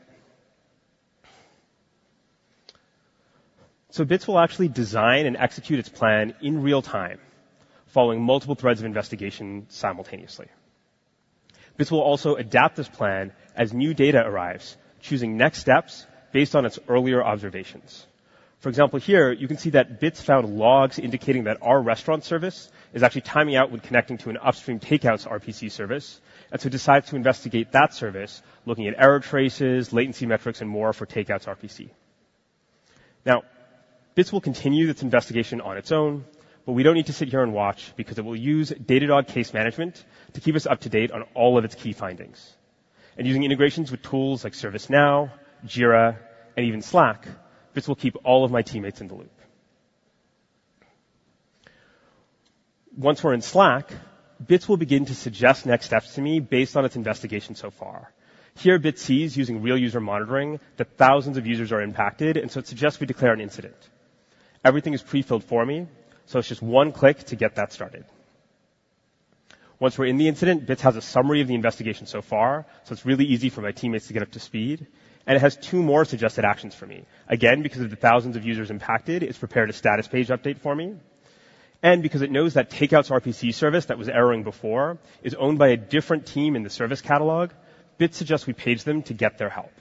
Bits will actually design and execute its plan in real time, following multiple threads of investigation simultaneously. Bits will also adapt this plan as new data arrives, choosing next steps based on its earlier observations. For example, here you can see that Bits found logs indicating that our restaurant service is actually timing out when connecting to an upstream Takeouts RPC service, and so decides to investigate that service, looking at error traces, latency metrics, and more for Takeouts RPC. Now, Bits will continue its investigation on its own, but we don't need to sit here and watch because it will use Datadog Case Management to keep us up to date on all of its key findings. Using integrations with tools like ServiceNow, Jira, and even Slack, Bits will keep all of my teammates in the loop. Once we're in Slack, Bits will begin to suggest next steps to me based on its investigation so far. Here, Bits sees, using real user monitoring, that thousands of users are impacted, and so it suggests we declare an incident. Everything is pre-filled for me, so it's just one click to get that started. Once we're in the incident, Bits has a summary of the investigation so far, so it's really easy for my teammates to get up to speed, and it has two more suggested actions for me. Again, because of the thousands of users impacted, it's prepared a status page update for me, and because it knows that Takeouts RPC service that was erroring before is owned by a different team in the Service Catalog, Bits suggests we page them to get their help.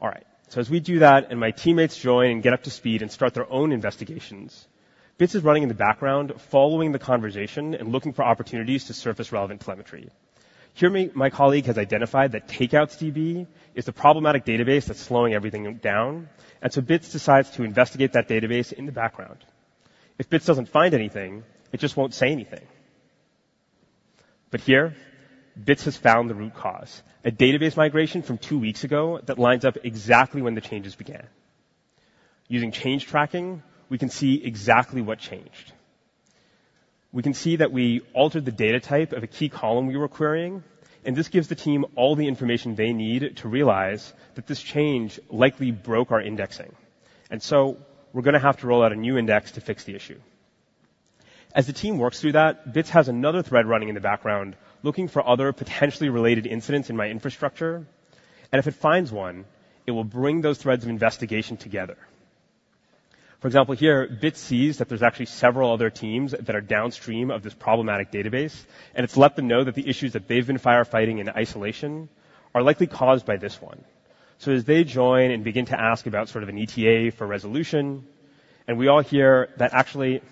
All right. So as we do that and my teammates join and get up to speed and start their own investigations, Bits is running in the background, following the conversation and looking for opportunities to surface relevant telemetry. Here, my colleague has identified that Takeouts DB is the problematic database that's slowing everything down, and so Bits decides to investigate that database in the background. If Bits doesn't find anything, it just won't say anything. But here, Bits has found the root cause: a database migration from two weeks ago that lines up exactly when the changes began. Using Change Tracking, we can see exactly what changed. We can see that we altered the data type of a key column we were querying, and this gives the team all the information they need to realize that this change likely broke our indexing. And so we're gonna have to roll out a new index to fix the issue. As the team works through that, Bits has another thread running in the background, looking for other potentially related incidents in my infrastructure, and if it finds one, it will bring those threads of investigation together. For example, here, Bits sees that there's actually several other teams that are downstream of this problematic database, and it's let them know that the issues that they've been firefighting in isolation are likely caused by this one. So as they join and begin to ask about sort of an ETA for resolution, and we all hear that actually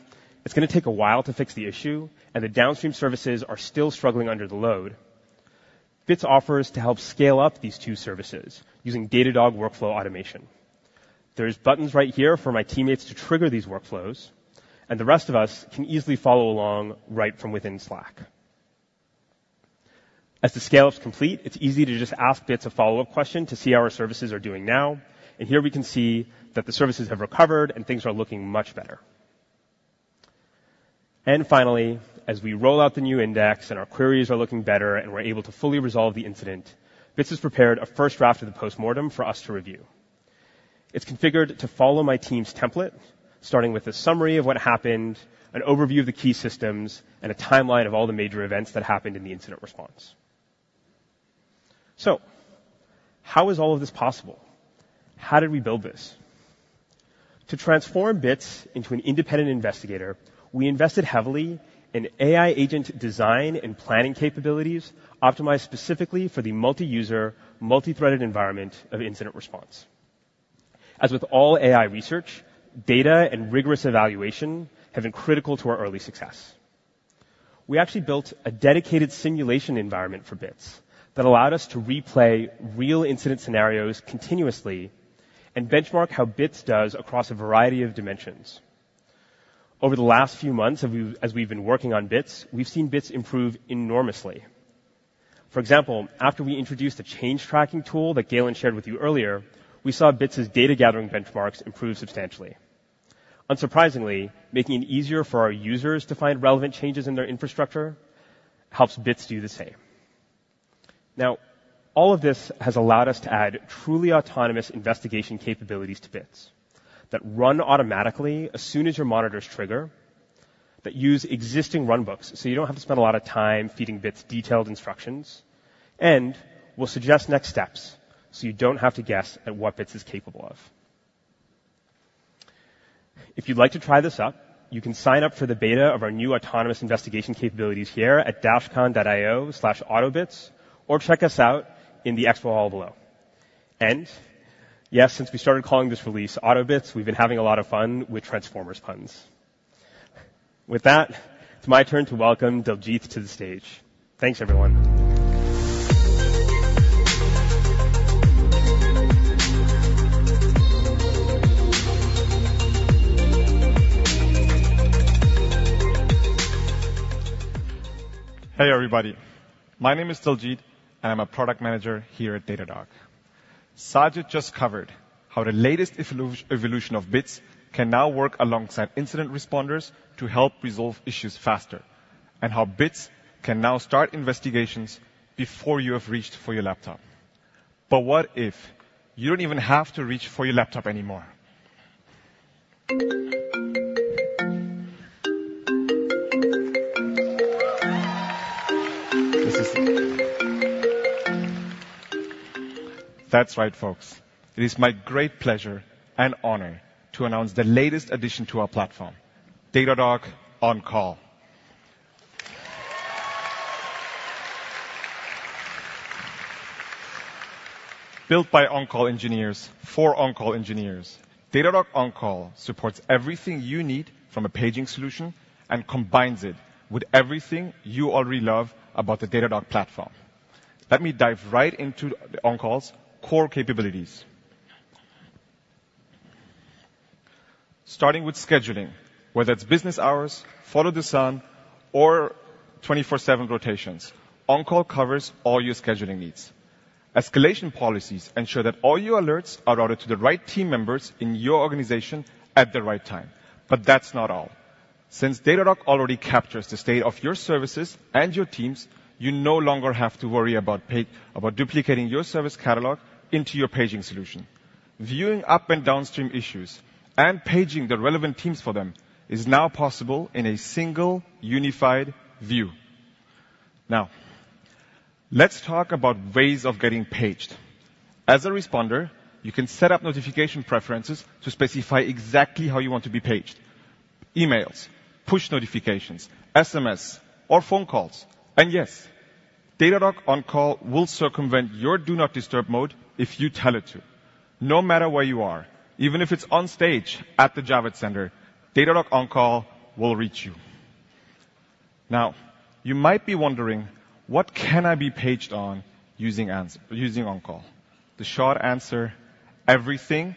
it's gonna take a while to fix the issue and the downstream services are still struggling under the load, Bits offers to help scale up these two services using Datadog Workflow Automation. There's buttons right here for my teammates to trigger these workflows, and the rest of us can easily follow along right from within Slack. As the scale-up's complete, it's easy to just ask Bits a follow-up question to see how our services are doing now. Here we can see that the services have recovered, and things are looking much better. Finally, as we roll out the new index and our queries are looking better and we're able to fully resolve the incident, Bits has prepared a first draft of the postmortem for us to review. It's configured to follow my team's template, starting with a summary of what happened, an overview of the key systems, and a timeline of all the major events that happened in the incident response. So how is all of this possible? How did we build this? To transform Bits into an independent investigator, we invested heavily in AI agent design and planning capabilities optimized specifically for the multi-user, multi-threaded environment of incident response. As with all AI research, data and rigorous evaluation have been critical to our early success. We actually built a dedicated simulation environment for Bits that allowed us to replay real incident scenarios continuously and benchmark how Bits does across a variety of dimensions. Over the last few months as we've been working on Bits, we've seen Bits improve enormously. For example, after we introduced a Change Tracking tool that Galen shared with you earlier, we saw Bits' data gathering benchmarks improve substantially. Unsurprisingly, making it easier for our users to find relevant changes in their infrastructure helps Bits do the same. Now, all of this has allowed us to add truly autonomous investigation capabilities to Bits that run automatically as soon as your monitors trigger, that use existing runbooks, so you don't have to spend a lot of time feeding Bits detailed instructions, and will suggest next steps, so you don't have to guess at what Bits is capable of. If you'd like to try this out, you can sign up for the beta of our new autonomous investigation capabilities here at dashcon.io/autobits, or check us out in the expo hall below. And yes, since we started calling this release Autobits, we've been having a lot of fun with Transformers puns. With that, it's my turn to welcome Daljeet to the stage. Thanks, everyone. Hey, everybody. My name is Daljeet, and I'm a Product Manager here at Datadog. Sajid just covered how the latest evolution of Bits can now work alongside incident responders to help resolve issues faster, and how Bits can now start investigations before you have reached for your laptop. But what if you don't even have to reach for your laptop anymore? That's right, folks. It is my great pleasure and honor to announce the latest addition to our platform, Datadog On-Call. Built by on-call engineers for on-call engineers, Datadog On-Call supports everything you need from a paging solution and combines it with everything you already love about the Datadog platform. Let me dive right into On-Call's core capabilities. Starting with scheduling. Whether it's business hours, follow the sun, or 24/7 rotations, On-Call covers all your scheduling needs. Escalation policies ensure that all your alerts are routed to the right team members in your organization at the right time. But that's not all. Since Datadog already captures the state of your services and your teams, you no longer have to worry about about duplicating your service catalog into your paging solution. Viewing up- and downstream issues and paging the relevant teams for them is now possible in a single unified view. Now, let's talk about ways of getting paged. As a responder, you can set up notification preferences to specify exactly how you want to be paged: emails, push notifications, SMS, or phone calls. And yes, Datadog On-Call will circumvent your Do Not Disturb mode if you tell it to. No matter where you are, even if it's on stage at the Javits Center, Datadog On-Call will reach you. Now, you might be wondering, "What can I be paged on using On-Call?" The short answer: everything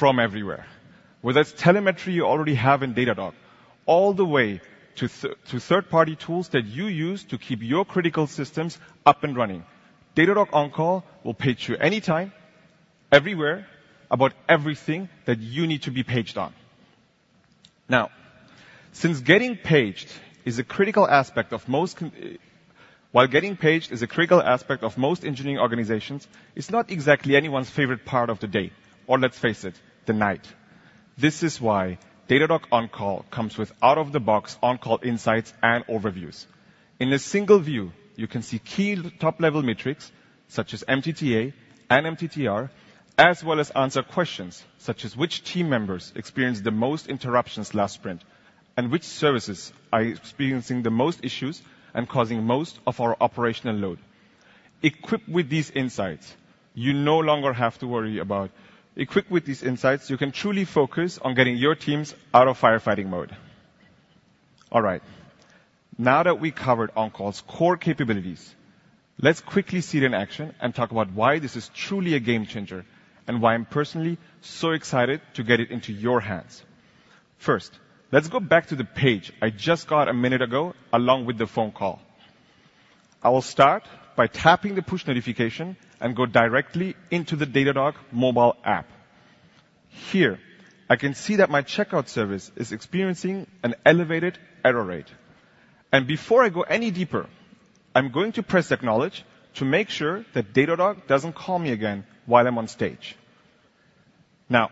from everywhere. Whether it's telemetry you already have in Datadog, all the way to third-party tools that you use to keep your critical systems up and running. Datadog On-Call will page you anytime, everywhere, about everything that you need to be paged on. While getting paged is a critical aspect of most engineering organizations, it's not exactly anyone's favorite part of the day, or let's face it, the night. This is why Datadog On-Call comes with out-of-the-box On-Call insights and overviews. In a single view, you can see key top-level metrics such as MTTA and MTTR, as well as answer questions such as, "Which team members experienced the most interruptions last sprint?" and "Which services are experiencing the most issues and causing most of our operational load?" Equipped with these insights, you no longer have to worry about. Equipped with these insights, you can truly focus on getting your teams out of firefighting mode. All right, now that we covered On-Call's core capabilities, let's quickly see it in action and talk about why this is truly a game changer and why I'm personally so excited to get it into your hands. First, let's go back to the page I just got a minute ago along with the phone call. I will start by tapping the push notification and go directly into the Datadog mobile app. Here, I can see that my checkout service is experiencing an elevated error rate, and before I go any deeper, I'm going to press Acknowledge to make sure that Datadog doesn't call me again while I'm on stage. Now,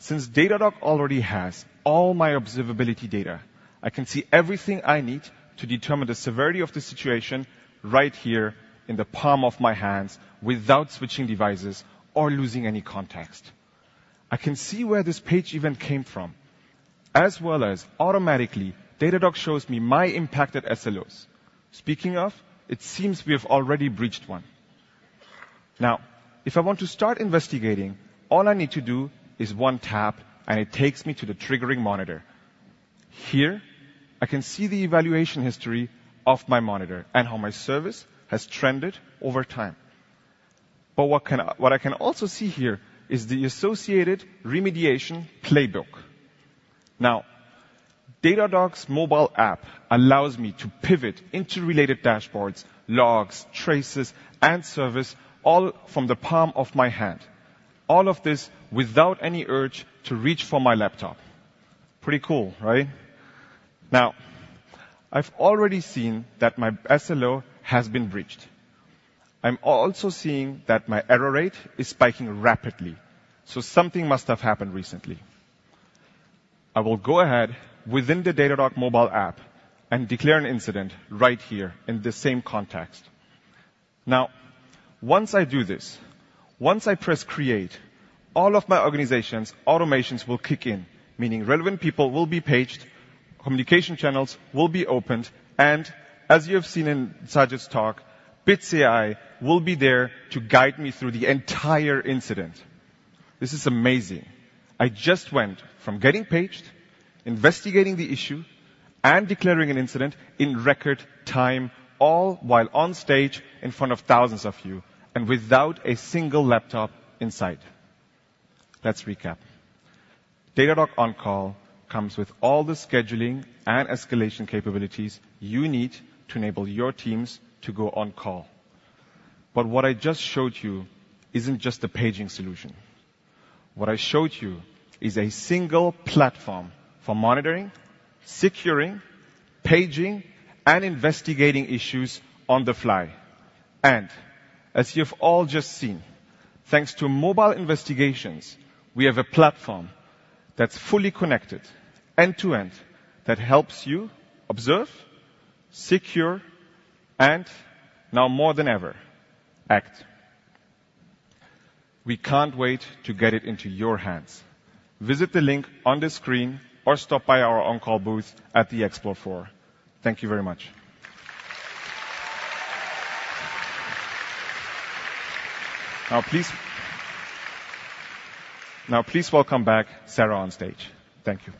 since Datadog already has all my observability data, I can see everything I need to determine the severity of the situation right here in the palm of my hands, without switching devices or losing any context. I can see where this page even came from, as well as automatically Datadog shows me my impacted SLOs. Speaking of, it seems we have already breached one. Now, if I want to start investigating, all I need to do is one tap, and it takes me to the triggering monitor. Here, I can see the evaluation history of my monitor and how my service has trended over time. But what can, what I can also see here is the associated remediation playbook. Now, Datadog's mobile app allows me to pivot into related dashboards, logs, traces, and service, all from the palm of my hand. All of this without any urge to reach for my laptop. Pretty cool, right? Now, I've already seen that my SLO has been breached. I'm also seeing that my error rate is spiking rapidly, so something must have happened recently. I will go ahead within the Datadog mobile app and declare an incident right here in the same context. Now, once I do this, once I press Create, all of my organization's automations will kick in, meaning relevant people will be paged, communication channels will be opened, and as you have seen in Sajid's talk, Bits AI will be there to guide me through the entire incident. This is amazing. I just went from getting paged, investigating the issue, and declaring an incident in record time, all while on stage in front of thousands of you and without a single laptop in sight. Let's recap. Datadog On-Call comes with all the scheduling and escalation capabilities you need to enable your teams to go on call. But what I just showed you isn't just a paging solution. What I showed you is a single platform for monitoring, securing, paging, and investigating issues on the fly. And as you've all just seen, thanks to mobile investigations, we have a platform that's fully connected end-to-end, that helps you observe, secure, and now more than ever, act. We can't wait to get it into your hands. Visit the link on the screen or stop by our On-Call booth at the Expo floor. Thank you very much. Now, please welcome back Sara on stage. Thank you.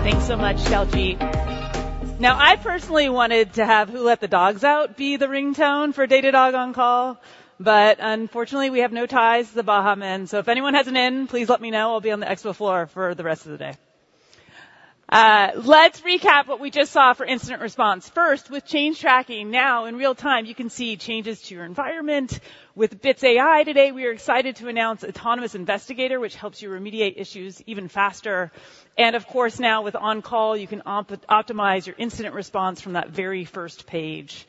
Thanks so much, Sajid. Now, I personally wanted to have Who Let the Dogs Out be the ringtone for Datadog On-Call, but unfortunately, we have no ties to the Baha Men. So if anyone has an in, please let me know. I'll be on the expo floor for the rest of the day. Let's recap what we just saw for incident response. First, with Change Tracking. Now, in real time, you can see changes to your environment. With Bits AI, today, we are excited to announce Autonomous Investigator, which helps you remediate issues even faster. And of course, now with On-Call, you can optimize your incident response from that very first page.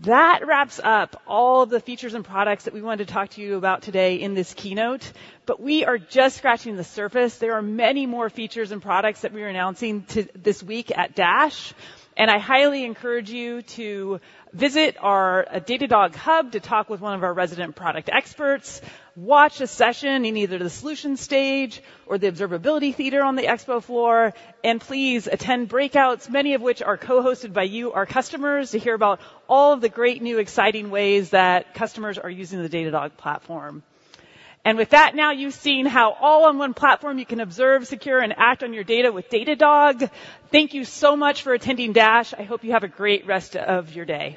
That wraps up all the features and products that we wanted to talk to you about today in this keynote, but we are just scratching the surface. There are many more features and products that we are announcing this week at DASH, and I highly encourage you to visit our Datadog Hub to talk with one of our resident product experts. Watch a session in either the Solutions Stage or the Observability Theater on the expo floor, and please attend breakouts, many of which are co-hosted by you, our customers, to hear about all of the great, new, exciting ways that customers are using the Datadog platform. And with that, now you've seen how all on one platform you can observe, secure, and act on your data with Datadog. Thank you so much for attending DASH. I hope you have a great rest of your day.